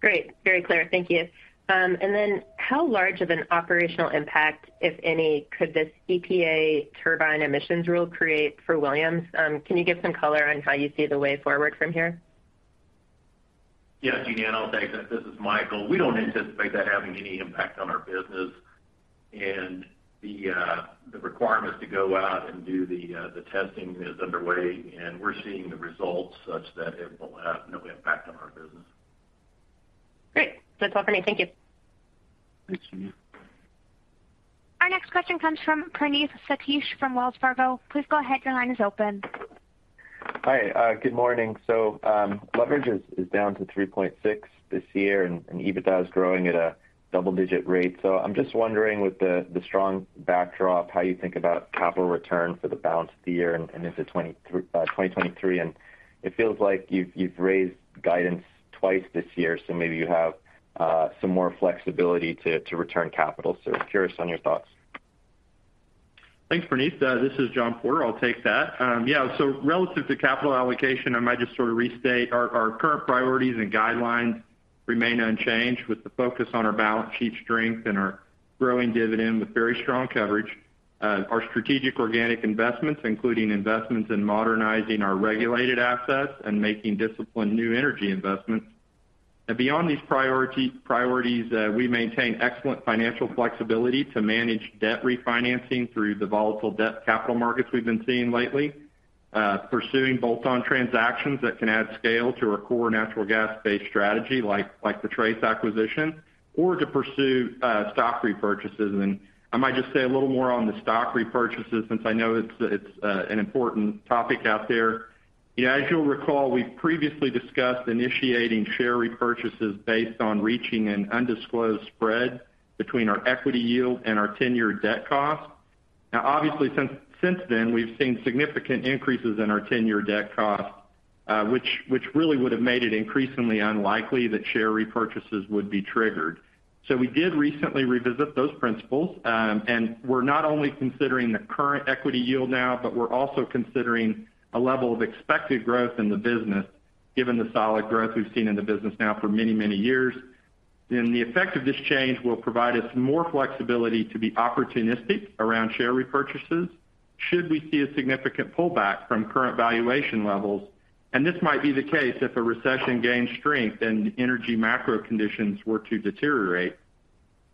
Great. Very clear. Thank you. How large of an operational impact, if any, could this EPA turbine emissions rule create for Williams? Can you give some color on how you see the way forward from here? Yes, Jean Ann, I'll take that. This is Michael. We don't anticipate that having any impact on our business. The requirements to go out and do the testing is underway, and we're seeing the results such that it will have no impact on our business. Great. That's all for me. Thank you. Thanks, Jean Ann. Our next question comes from Praneeth Satish from Wells Fargo. Please go ahead. Your line is open. Hi. Good morning. Leverage is down to 3.6 this year, and EBITDA is growing at a double-digit rate. I'm just wondering, with the strong backdrop, how you think about capital return for the balance of the year and into 2023. It feels like you've raised guidance twice this year, so maybe you have some more flexibility to return capital. Curious on your thoughts. Thanks, Praneeth. This is John Porter. I'll take that. Yeah, relative to capital allocation, I might just sort of restate our current priorities and guidelines remain unchanged with the focus on our balance sheet strength and our growing dividend with very strong coverage. Our strategic organic investments, including investments in modernizing our regulated assets and making disciplined new energy investments. Beyond these priorities, we maintain excellent financial flexibility to manage debt refinancing through the volatile debt capital markets we've been seeing lately. Pursuing bolt-on transactions that can add scale to our core natural gas-based strategy like the Trace acquisition or to pursue stock repurchases. I might just say a little more on the stock repurchases since I know it's an important topic out there. You know, as you'll recall, we've previously discussed initiating share repurchases based on reaching an undisclosed spread between our equity yield and our ten-year debt cost. Now obviously, since then, we've seen significant increases in our ten-year debt cost, which really would have made it increasingly unlikely that share repurchases would be triggered. We did recently revisit those principles. We're not only considering the current equity yield now, but we're also considering a level of expected growth in the business, given the solid growth we've seen in the business now for many, many years. The effect of this change will provide us more flexibility to be opportunistic around share repurchases should we see a significant pullback from current valuation levels, and this might be the case if a recession gains strength and energy macro conditions were to deteriorate.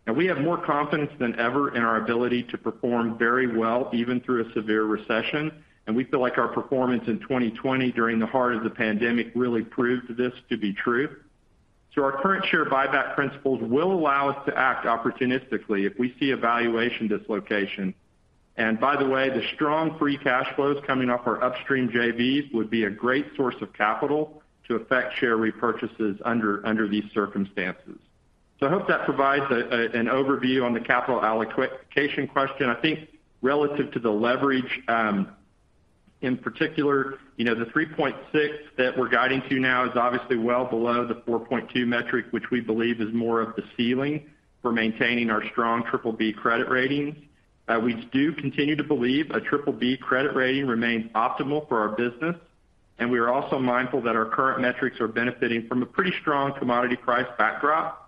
Now we have more confidence than ever in our ability to perform very well, even through a severe recession. We feel like our performance in 2020 during the heart of the pandemic really proved this to be true. Our current share buyback principles will allow us to act opportunistically if we see a valuation dislocation. By the way, the strong free cash flows coming off our upstream JVs would be a great source of capital to affect share repurchases under these circumstances. I hope that provides an overview on the capital allocation question. I think relative to the leverage, in particular, you know, the 3.6 that we're guiding to now is obviously well below the 4.2 metric, which we believe is more of the ceiling for maintaining our strong triple-B credit ratings. We do continue to believe a triple B credit rating remains optimal for our business, and we are also mindful that our current metrics are benefiting from a pretty strong commodity price backdrop.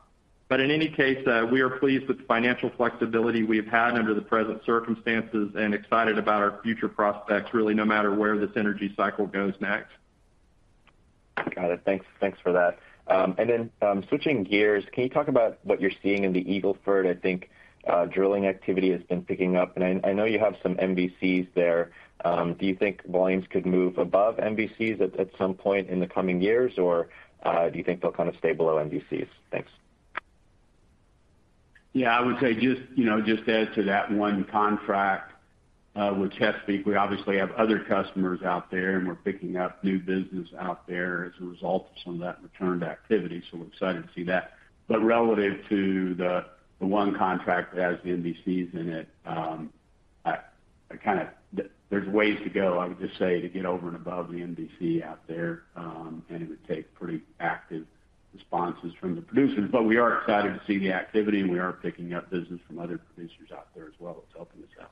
In any case, we are pleased with the financial flexibility we've had under the present circumstances and excited about our future prospects, really, no matter where this energy cycle goes next. Got it. Thanks. Thanks for that. Switching gears, can you talk about what you're seeing in the Eagle Ford? I think drilling activity has been picking up, and I know you have some MVCs there. Do you think volumes could move above MVCs at some point in the coming years, or do you think they'll kind of stay below MVCs? Thanks. Yeah. I would say just, you know, just add to that one contract with Hess Corporation. We obviously have other customers out there, and we're picking up new business out there as a result of some of that returned activity, so we're excited to see that. Relative to the one contract that has the MVCs in it, there's ways to go, I would just say, to get over and above the MVC out there, and it would take pretty active responses from the producers. We are excited to see the activity, and we are picking up business from other producers out there as well. It's helping us out.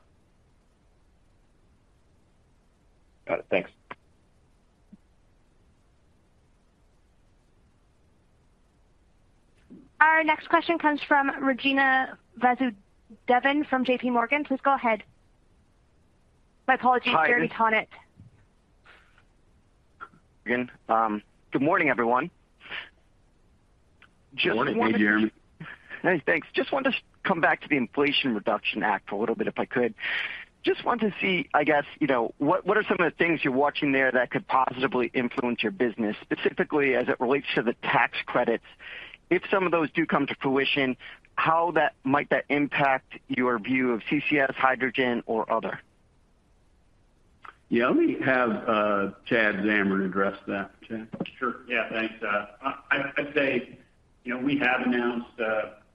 Got it. Thanks. Our next question comes from Jeremy Tonet from J.P. Morgan. Please go ahead. My apologies, Jeremy Tonet. Hi. Good morning, everyone. Morning, Jeremy. Hey, thanks. Just wanted to come back to the Inflation Reduction Act a little bit, if I could. Just want to see, I guess, you know, what are some of the things you're watching there that could positively influence your business, specifically as it relates to the tax credits? If some of those do come to fruition, how might that impact your view of CCS, hydrogen or other? Yeah. Let me have Chad Zamarin address that. Chad? Sure. Yeah, thanks. I'd say, you know, we have announced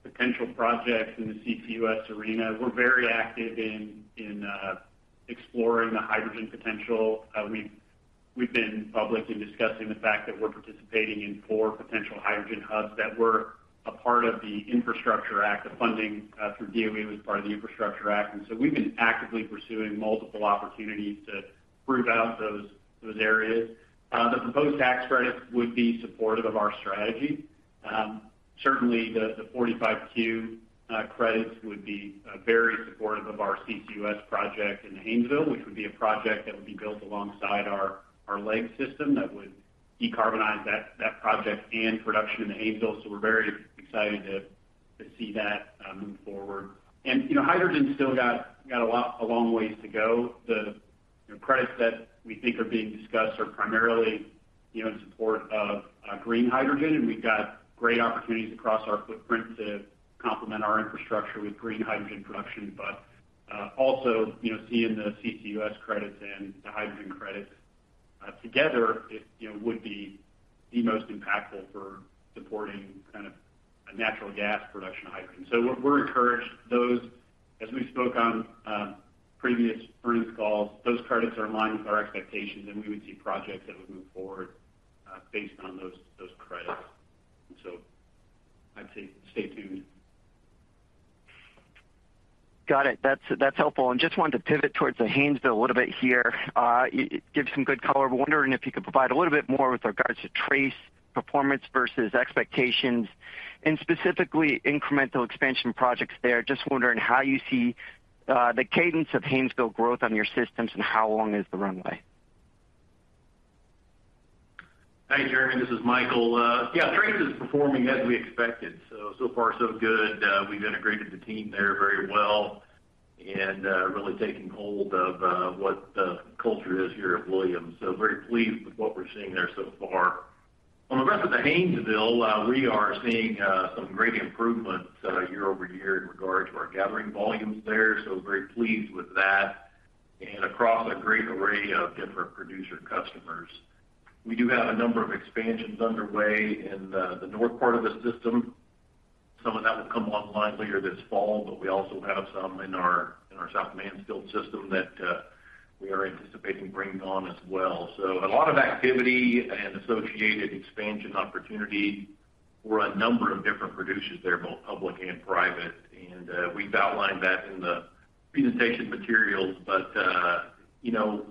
potential projects in the CCUS arena. We're very active in exploring the hydrogen potential. We've been publicly discussing the fact that we're participating in 4 potential hydrogen hubs that were a part of the Infrastructure Act, the funding through DOE was part of the Infrastructure Act. We've been actively pursuing multiple opportunities to prove out those areas. The proposed tax credits would be supportive of our strategy. Certainly the 45Q credits would be very supportive of our CCUS project in Haynesville, which would be a project that would be built alongside our LEG system that would decarbonize that project and production in Haynesville. We're very excited to see that move forward. You know, hydrogen's still got a long ways to go. The credits that we think are being discussed are primarily, you know, in support of green hydrogen, and we've got great opportunities across our footprint to complement our infrastructure with green hydrogen production. Also, you know, seeing the CCUS credits and the hydrogen credits together, it would be the most impactful for supporting kind of a natural gas production of hydrogen. We're encouraged. Those, as we spoke on previous earnings calls, those credits are in line with our expectations, and we would see projects that would move forward based on those credits. I'd say stay tuned. Got it. That's helpful. Just wanted to pivot towards the Haynesville a little bit here. You give some good color. Wondering if you could provide a little bit more with regards to Trace performance versus expectations and specifically incremental expansion projects there. Just wondering how you see the cadence of Haynesville growth on your systems and how long is the runway? Hi, Jeremy, this is Michael. Yeah, Trace is performing as we expected, so far so good. We've integrated the team there very well and really taking hold of what the culture is here at Williams. Very pleased with what we're seeing there so far. On the rest of the Haynesville, we are seeing some great improvements year-over-year in regards to our gathering volumes there, very pleased with that. Across a great array of different producer customers. We do have a number of expansions underway in the north part of the system. Some of that will come online later this fall, but we also have some in our South Mansfield system that we are anticipating bringing on as well. A lot of activity and associated expansion opportunity for a number of different producers there, both public and private. We've outlined that in the presentation materials. You know,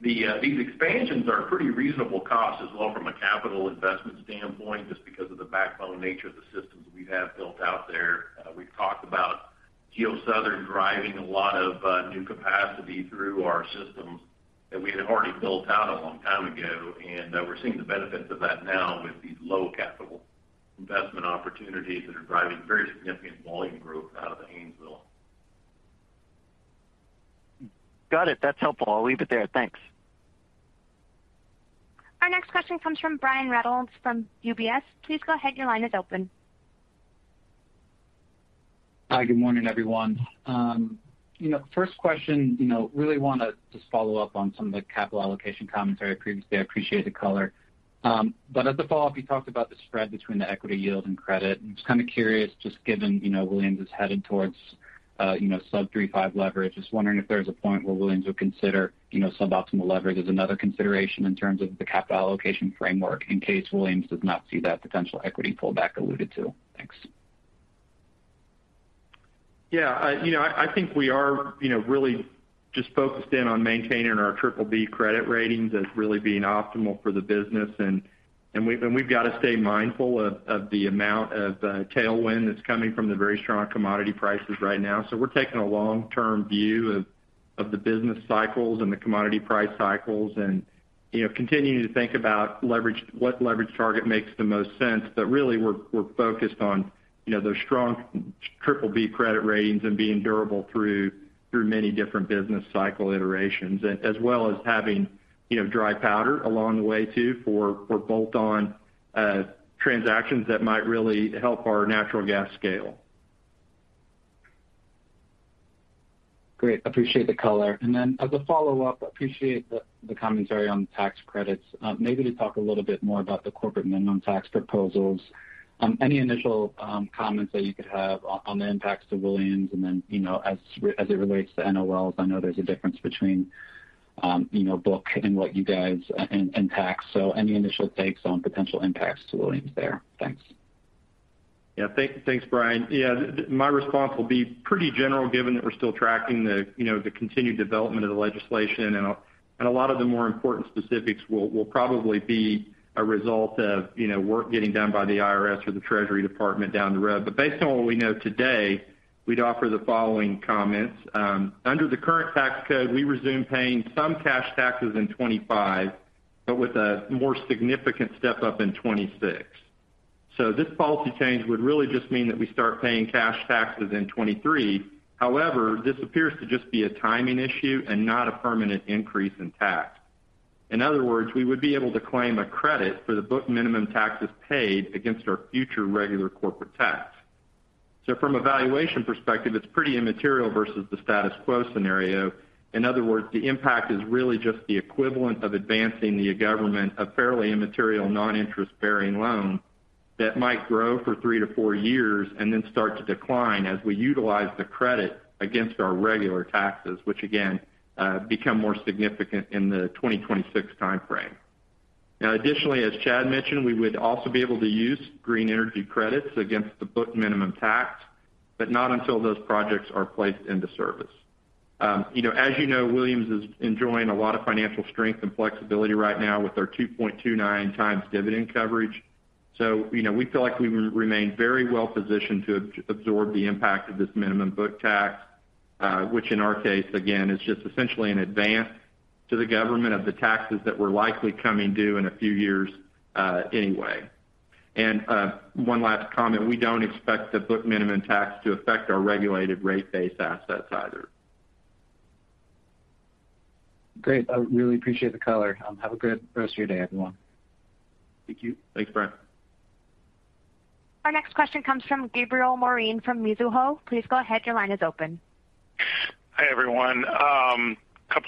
these expansions are pretty reasonable cost as well from a capital investment standpoint, just because of the backbone nature of the systems we have built out there. We've talked about GeoSouthern driving a lot of new capacity through our systems that we had already built out a long time ago. We're seeing the benefits of that now with these low capital investment opportunities that are driving very significant volume growth out of the Haynesville. Got it. That's helpful. I'll leave it there. Thanks. Our next question comes from Brian Reynolds from UBS. Please go ahead, your line is open. Hi, good morning, everyone. You know, first question, you know, really wanna just follow up on some of the capital allocation commentary previously. I appreciate the color. As a follow-up, you talked about the spread between the equity yield and credit. I'm just kind of curious, just given, you know, Williams is headed towards, you know, sub 3.5 leverage. Just wondering if there's a point where Williams would consider, you know, suboptimal leverage as another consideration in terms of the capital allocation framework in case Williams does not see that potential equity pullback alluded to. Thanks. Yeah. You know, I think we are, you know, really just focused in on maintaining our triple-B credit ratings as really being optimal for the business. We've got to stay mindful of the amount of tailwind that's coming from the very strong commodity prices right now. We're taking a long-term view of the business cycles and the commodity price cycles and, you know, continuing to think about leverage, what leverage target makes the most sense. Really, we're focused on, you know, those strong triple-B credit ratings and being durable through many different business cycle iterations. As well as having, you know, dry powder along the way too for bolt-on transactions that might really help our natural gas scale. Great. Appreciate the color. As a follow-up, appreciate the commentary on tax credits. Maybe to talk a little bit more about the corporate minimum tax proposals. Any initial comments that you could have on the impacts to Williams and then, you know, as it relates to NOLs, I know there's a difference between book and tax. Any initial takes on potential impacts to Williams there? Thanks. Thanks, Brian. Yeah, my response will be pretty general given that we're still tracking the, you know, continued development of the legislation. A lot of the more important specifics will probably be a result of, you know, work getting done by the IRS or the Treasury Department down the road. Based on what we know today, we'd offer the following comments. Under the current tax code, we resume paying some cash taxes in 2025, but with a more significant step-up in 2026. This policy change would really just mean that we start paying cash taxes in 2023. However, this appears to just be a timing issue and not a permanent increase in tax. In other words, we would be able to claim a credit for the book minimum taxes paid against our future regular corporate tax. From a valuation perspective, it's pretty immaterial versus the status quo scenario. In other words, the impact is really just the equivalent of advancing the government a fairly immaterial non-interest bearing loan that might grow for 3-4 years and then start to decline as we utilize the credit against our regular taxes, which again, become more significant in the 2026 timeframe. Now additionally, as Chad mentioned, we would also be able to use green energy credits against the book minimum tax, but not until those projects are placed into service. You know, as you know, Williams is enjoying a lot of financial strength and flexibility right now with our 2.29x dividend coverage. You know, we feel like we remain very well positioned to absorb the impact of this minimum book tax, which in our case again is just essentially an advance to the government of the taxes that were likely coming due in a few years, anyway. One last comment, we don't expect the book minimum tax to affect our regulated rate base assets either. Great. I really appreciate the color. Have a good rest of your day, everyone. Thank you. Thanks, Brian. Our next question comes from Gabriel Moreen from Mizuho. Please go ahead, your line is open. Hi, everyone. Couple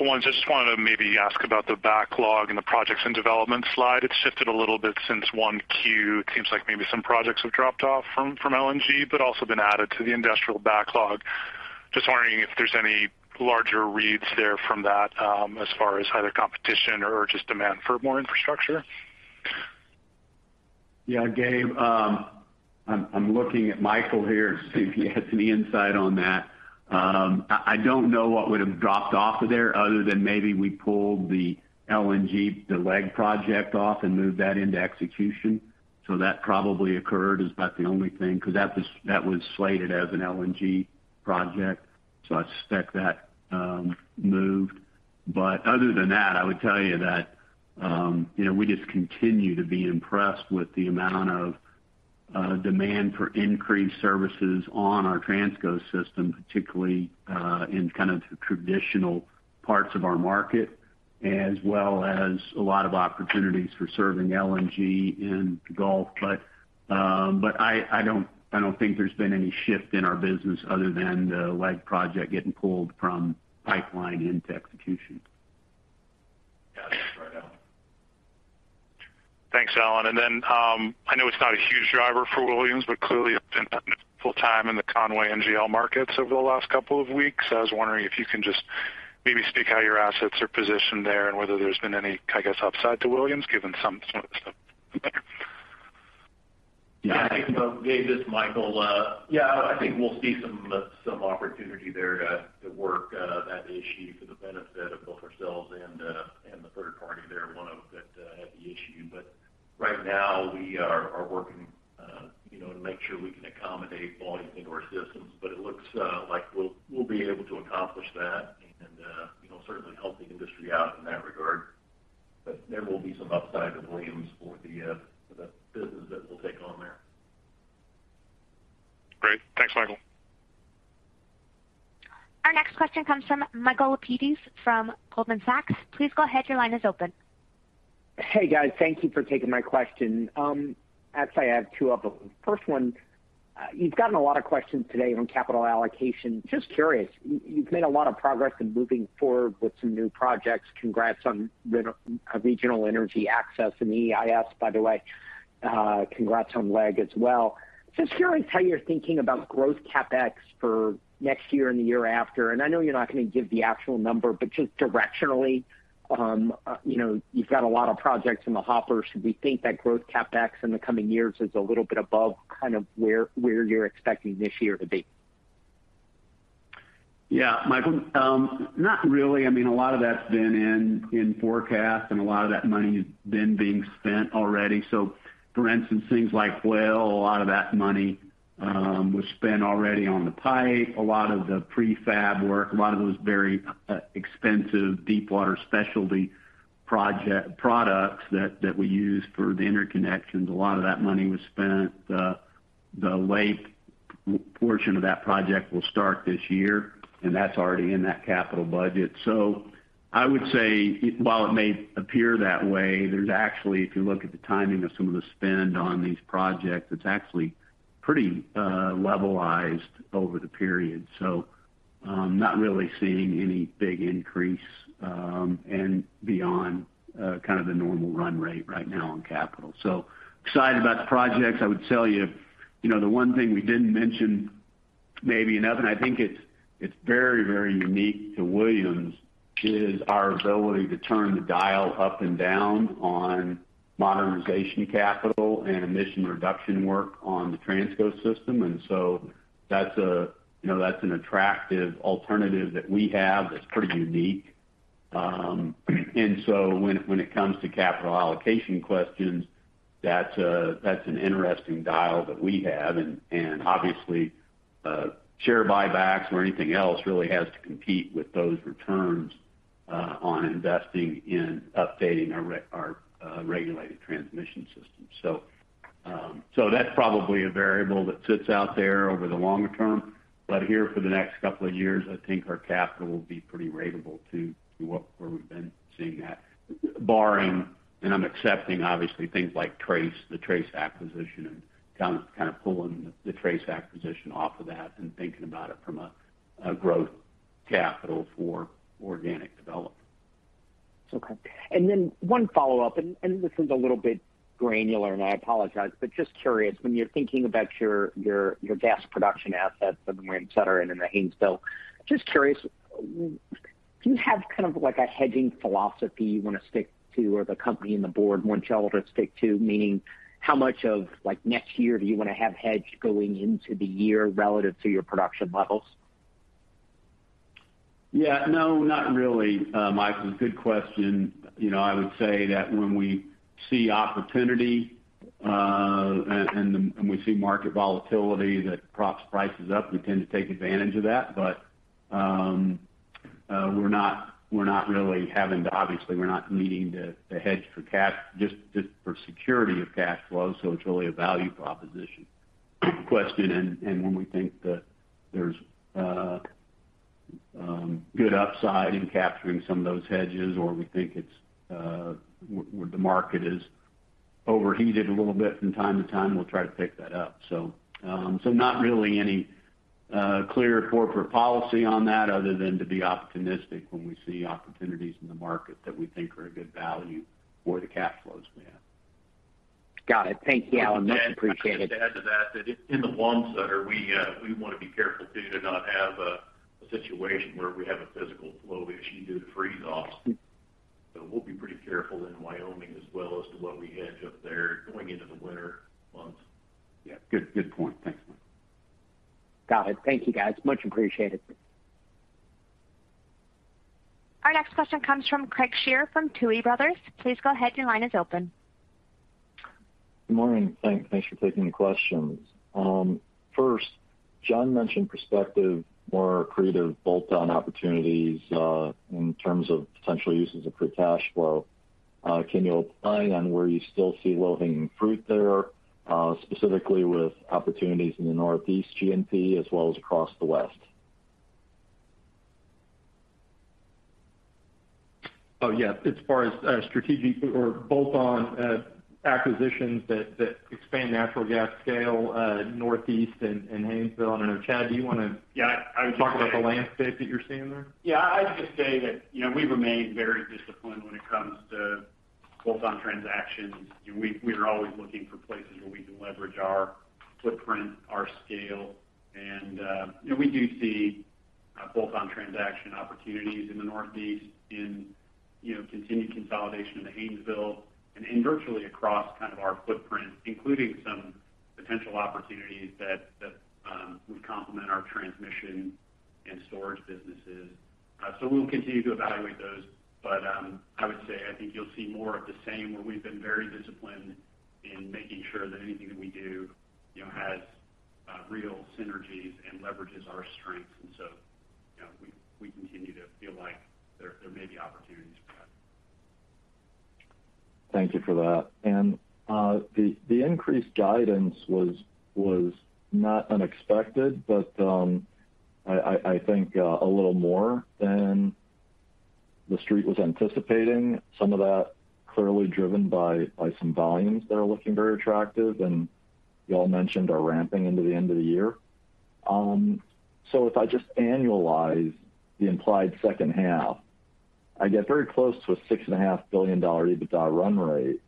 ones. I just wanted to maybe ask about the backlog in the projects and development slide. It's shifted a little bit since Q1. It seems like maybe some projects have dropped off from LNG, but also been added to the industrial backlog. Just wondering if there's any larger reads there from that, as far as either competition or just demand for more infrastructure. Yeah, Gabe. I'm looking at Michael here to see if he has any insight on that. I don't know what would have dropped off of there other than maybe we pulled the LEG project off and moved that into execution. That probably occurred. Is that the only thing? Because that was slated as an LNG project, so I suspect that moved. Other than that, I would tell you that, you know, we just continue to be impressed with the amount of demand for increased services on our Transco system, particularly in kind of traditional parts of our market, as well as a lot of opportunities for serving LNG in the Gulf. I don't think there's been any shift in our business other than the LEG project getting pulled from pipeline into execution. Got it. Thanks, Alan. I know it's not a huge driver for Williams, but clearly it's been full tilt in the Conway NGL markets over the last couple of weeks. I was wondering if you can just maybe speak how your assets are positioned there and whether there's been any, I guess, upside to Williams, given some there. Yeah. Yeah. Gabe, this is Michael. Yeah, I think we'll see some opportunity there to work that issue for the benefit of both ourselves and the third party there, one that had the issue. Right now we are working, you know, to make sure we can accommodate volume into our systems. It looks like we'll be able to accomplish that and, you know, certainly help the industry out in that regard. There will be some upside to Williams for the business that we'll take on there. Great. Thanks, Micheal. Our next question comes from Michael Lapides from Goldman Sachs. Please go ahead. Your line is open. Hey, guys. Thank you for taking my question. Actually I have two of them. First one, you've gotten a lot of questions today on capital allocation. Just curious, you've made a lot of progress in moving forward with some new projects. Congrats on Regional Energy Access and EIS, by the way. Congrats on LEG as well. Just curious how you're thinking about growth CapEx for next year and the year after. I know you're not going to give the actual number, but just directionally, you know, you've got a lot of projects in the hopper. Should we think that growth CapEx in the coming years is a little bit above kind of where you're expecting this year to be? Yeah, Michael. Not really. I mean, a lot of that's been in forecast, and a lot of that money has been being spent already. For instance, things like Whale, a lot of that money was spent already on the pipe. A lot of the prefab work, a lot of those very expensive deepwater specialty products that we use for the interconnections. A lot of that money was spent. The late portion of that project will start this year, and that's already in that capital budget. I would say while it may appear that way, there's actually, if you look at the timing of some of the spend on these projects, it's actually pretty levelized over the period. Not really seeing any big increase, and beyond kind of the normal run rate right now on capital. Excited about the projects. I would tell you the one thing we didn't mention maybe enough, and I think it's very, very unique to Williams, is our ability to turn the dial up and down on modernization capital and emission reduction work on the Transco system. That's an attractive alternative that we have that's pretty unique. When it comes to capital allocation questions, that's an interesting dial that we have. And obviously, share buybacks or anything else really has to compete with those returns on investing in updating our regulated transmission system. That's probably a variable that sits out there over the longer term. Here for the next couple of years, I think our capital will be pretty ratable to where we've been seeing that. Barring and I'm expecting obviously things like Trace, the Trace acquisition, and kind of pulling the Trace acquisition off of that and thinking about it from a growth capital for organic development. Okay. One follow-up, and this is a little bit granular, and I apologize, but just curious, when you're thinking about your gas production assets that you mentioned that are in the Haynesville, just curious, do you have kind of like a hedging philosophy you want to stick to, or the company and the board want y'all to stick to? Meaning how much of, like, next year do you want to have hedged going into the year relative to your production levels? Yeah. No, not really. Michael, good question. You know, I would say that when we see opportunity and we see market volatility that props prices up, we tend to take advantage of that. Obviously, we're not needing to hedge for cash just for security of cash flow. It's really a value proposition question. When we think that there's good upside in capturing some of those hedges or we think it's where the market is overheated a little bit from time to time, we'll try to pick that up. Not really any clear corporate policy on that other than to be optimistic when we see opportunities in the market that we think are a good value for the cash flows we have. Got it. Thank you, Alan. Much appreciated. I'd just add to that in the Wamsutter, we wanna be careful too to not have a situation where we have a physical flow issue due to freeze offs. We'll be pretty careful in Wyoming as well as to what we hedge up there going into the winter months. Yeah. Good, good point. Thanks, Mike. Got it. Thank you, guys. Much appreciated. Our next question comes from Craig Shere from Tuohy Brothers. Please go ahead. Your line is open. Good morning. Thanks for taking the questions. First, John mentioned prospective, more creative bolt-on opportunities, in terms of potential uses of free cash flow. Can you opine on where you still see low-hanging fruit there, specifically with opportunities in the Northeast G&P as well as across the West? Oh, yeah. As far as strategic or bolt-on acquisitions that expand natural gas scale, Northeast and Haynesville. I don't know. Chad, do you wanna- Yeah, I would say. Talk about the landscape that you're seeing there? Yeah, I'd just say that, you know, we remain very disciplined when it comes to bolt-on transactions. We are always looking for places where we can leverage our footprint, our scale. You know, we do see bolt-on transaction opportunities in the Northeast in continued consolidation in the Haynesville and virtually across kind of our footprint, including some potential opportunities that would complement our transmission and storage businesses. We'll continue to evaluate those. I would say I think you'll see more of the same, where we've been very disciplined in making sure that anything that we do, you know, has real synergies and leverages our strengths. You know, we continue to feel like there may be opportunities for that. Thank you for that. The increased guidance was not unexpected, but I think a little more than the Street was anticipating. Some of that clearly driven by some volumes that are looking very attractive, and you all mentioned are ramping into the end of the year. So if I just annualize the implied second half, I get very close to a $6.5 billion EBITDA run rate,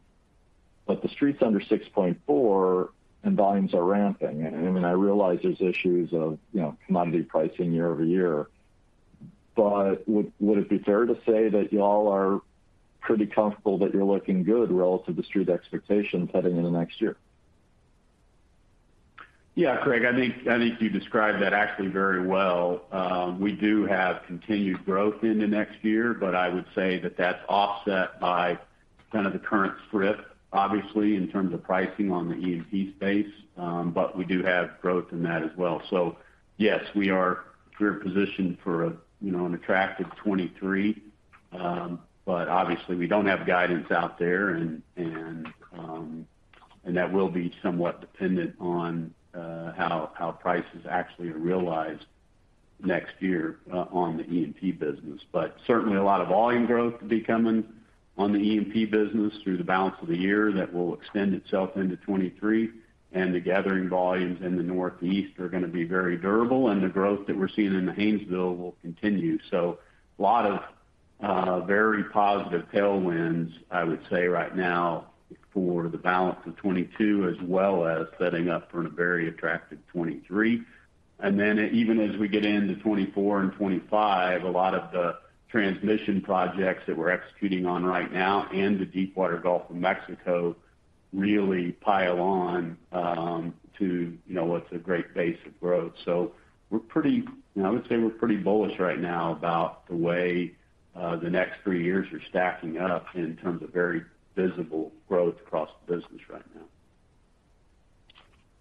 but the Street's under $6.4 billion and volumes are ramping. I mean, I realize there's issues of, you know, commodity pricing year-over-year. Would it be fair to say that y'all are pretty comfortable that you're looking good relative to Street expectations heading into next year? Yeah, Craig. I think you described that actually very well. We do have continued growth into next year, but I would say that that's offset by kind of the current strip, obviously, in terms of pricing on the E&P space. We do have growth in that as well. Yes, we're positioned for, you know, an attractive 2023. Obviously, we don't have guidance out there and that will be somewhat dependent on how prices actually are realized next year on the E&P business. Certainly a lot of volume growth to be coming on the E&P business through the balance of the year that will extend itself into 2023, and the gathering volumes in the Northeast are gonna be very durable, and the growth that we're seeing in the Haynesville will continue. A lot of very positive tailwinds, I would say right now for the balance of 2022 as well as setting up for a very attractive 2023. Even as we get into 2024 and 2025, a lot of the transmission projects that we're executing on right now and the Deepwater Gulf of Mexico really pile on to, you know, what's a great base of growth. You know, I would say we're pretty bullish right now about the way the next three years are stacking up in terms of very visible growth across the business right now.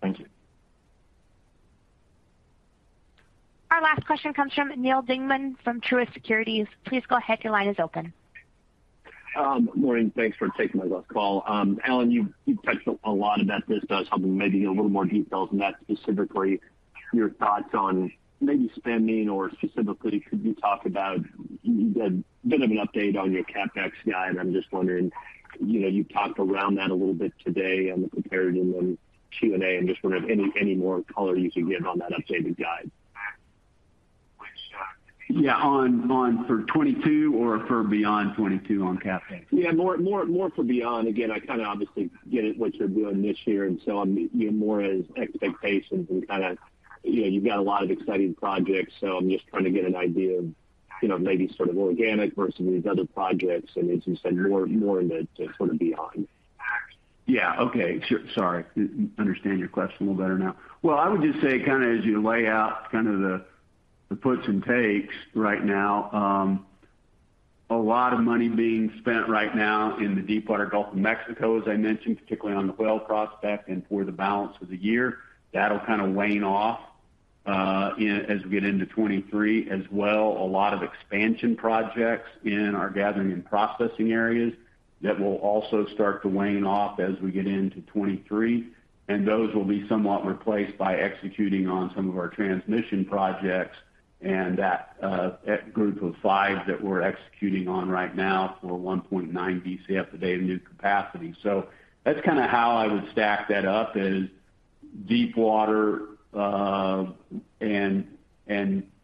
Thank you. Our last question comes from Neal Dingmann from Truist Securities. Please go ahead. Your line is open. Morning. Thanks for taking my last call. Alan, you touched a lot about this, but I was hoping maybe a little more details in that, specifically your thoughts on maybe spending or specifically could you talk about, you gave a bit of an update on your CapEx guide, and I'm just wondering, you know, you talked around that a little bit today on the comparison on Q&A. I'm just wondering if any more color you can give on that updated guide. Yeah. On for 2022 or for beyond 2022 on CapEx? Yeah. More for beyond. Again, I kind of obviously get what you're doing this year, so I'm, you know, more on expectations and kind of, you know, you've got a lot of exciting projects, so I'm just trying to get an idea of, you know, maybe sort of organic versus these other projects. As you said, more into sort of beyond. Yeah. Okay. Sure. Sorry. Understand your question a little better now. Well, I would just say kind of as you lay out kind of the puts and takes right now, a lot of money being spent right now in the Deepwater Gulf of Mexico, as I mentioned, particularly on the well prospect and for the balance of the year. That'll kind of wane off as we get into 2023 as well. A lot of expansion projects in our gathering and processing areas that will also start to wane off as we get into 2023. Those will be somewhat replaced by executing on some of our transmission projects and that group of five that we're executing on right now for 1.9 Bcf a day of new capacity. That's kind of how I would stack that up is deep water, and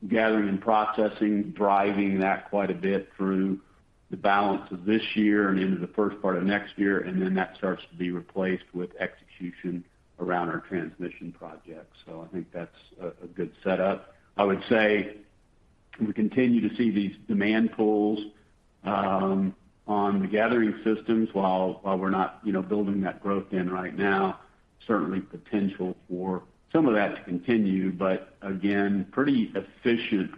gathering and processing, driving that quite a bit through the balance of this year and into the first part of next year, and then that starts to be replaced with execution around our transmission projects. I think that's a good setup. I would say we continue to see these demand pulls on the gathering systems while we're not, you know, building that growth in right now. Certainly potential for some of that to continue, but again, pretty efficient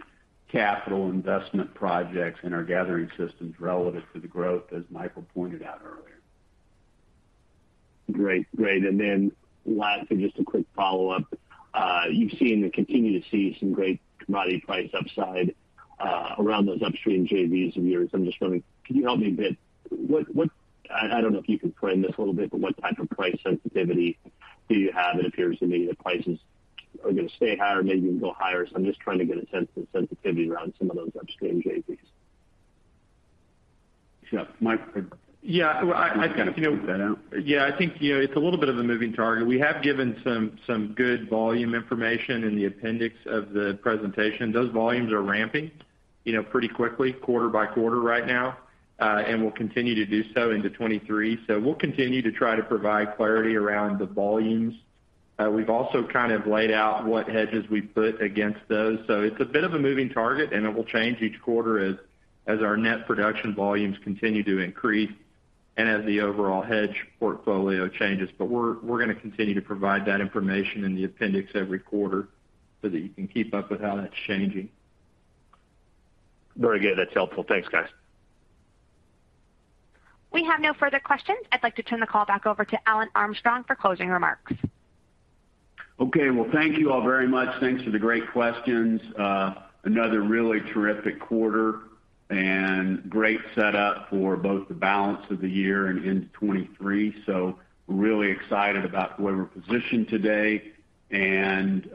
capital investment projects in our gathering systems relative to the growth, as Michael pointed out earlier. Great. Great. Lastly, just a quick follow-up. You've seen and continue to see some great commodity price upside around those upstream JVs of yours. I'm just wondering, could you help me a bit? I don't know if you can frame this a little bit, but what type of price sensitivity do you have? It appears to me that prices are gonna stay high or maybe even go higher. I'm just trying to get a sense of the sensitivity around some of those upstream JVs. Sure. Mike? Yeah. Well, I think, you know. You kind of point that out. Yeah, I think, you know, it's a little bit of a moving target. We have given some good volume information in the appendix of the presentation. Those volumes are ramping, you know, pretty quickly quarter by quarter right now, and will continue to do so into 2023. We'll continue to try to provide clarity around the volumes. We've also kind of laid out what hedges we put against those. It's a bit of a moving target, and it will change each quarter as our net production volumes continue to increase and as the overall hedge portfolio changes. We're gonna continue to provide that information in the appendix every quarter so that you can keep up with how that's changing. Very good. That's helpful. Thanks, guys. We have no further questions. I'd like to turn the call back over to Alan Armstrong for closing remarks. Well, thank you all very much. Thanks for the great questions. Another really terrific quarter and great setup for both the balance of the year and into 2023. Really excited about where we're positioned today and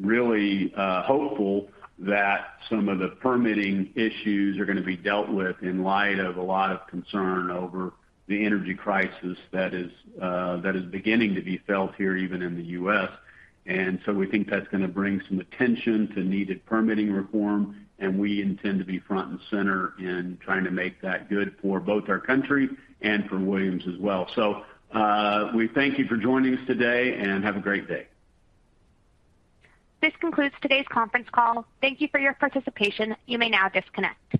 really hopeful that some of the permitting issues are gonna be dealt with in light of a lot of concern over the energy crisis that is beginning to be felt here even in the U.S. We think that's gonna bring some attention to needed permitting reform, and we intend to be front and center in trying to make that good for both our country and for Williams as well. We thank you for joining us today, and have a great day. This concludes today's conference call. Thank you for your participation. You may now disconnect.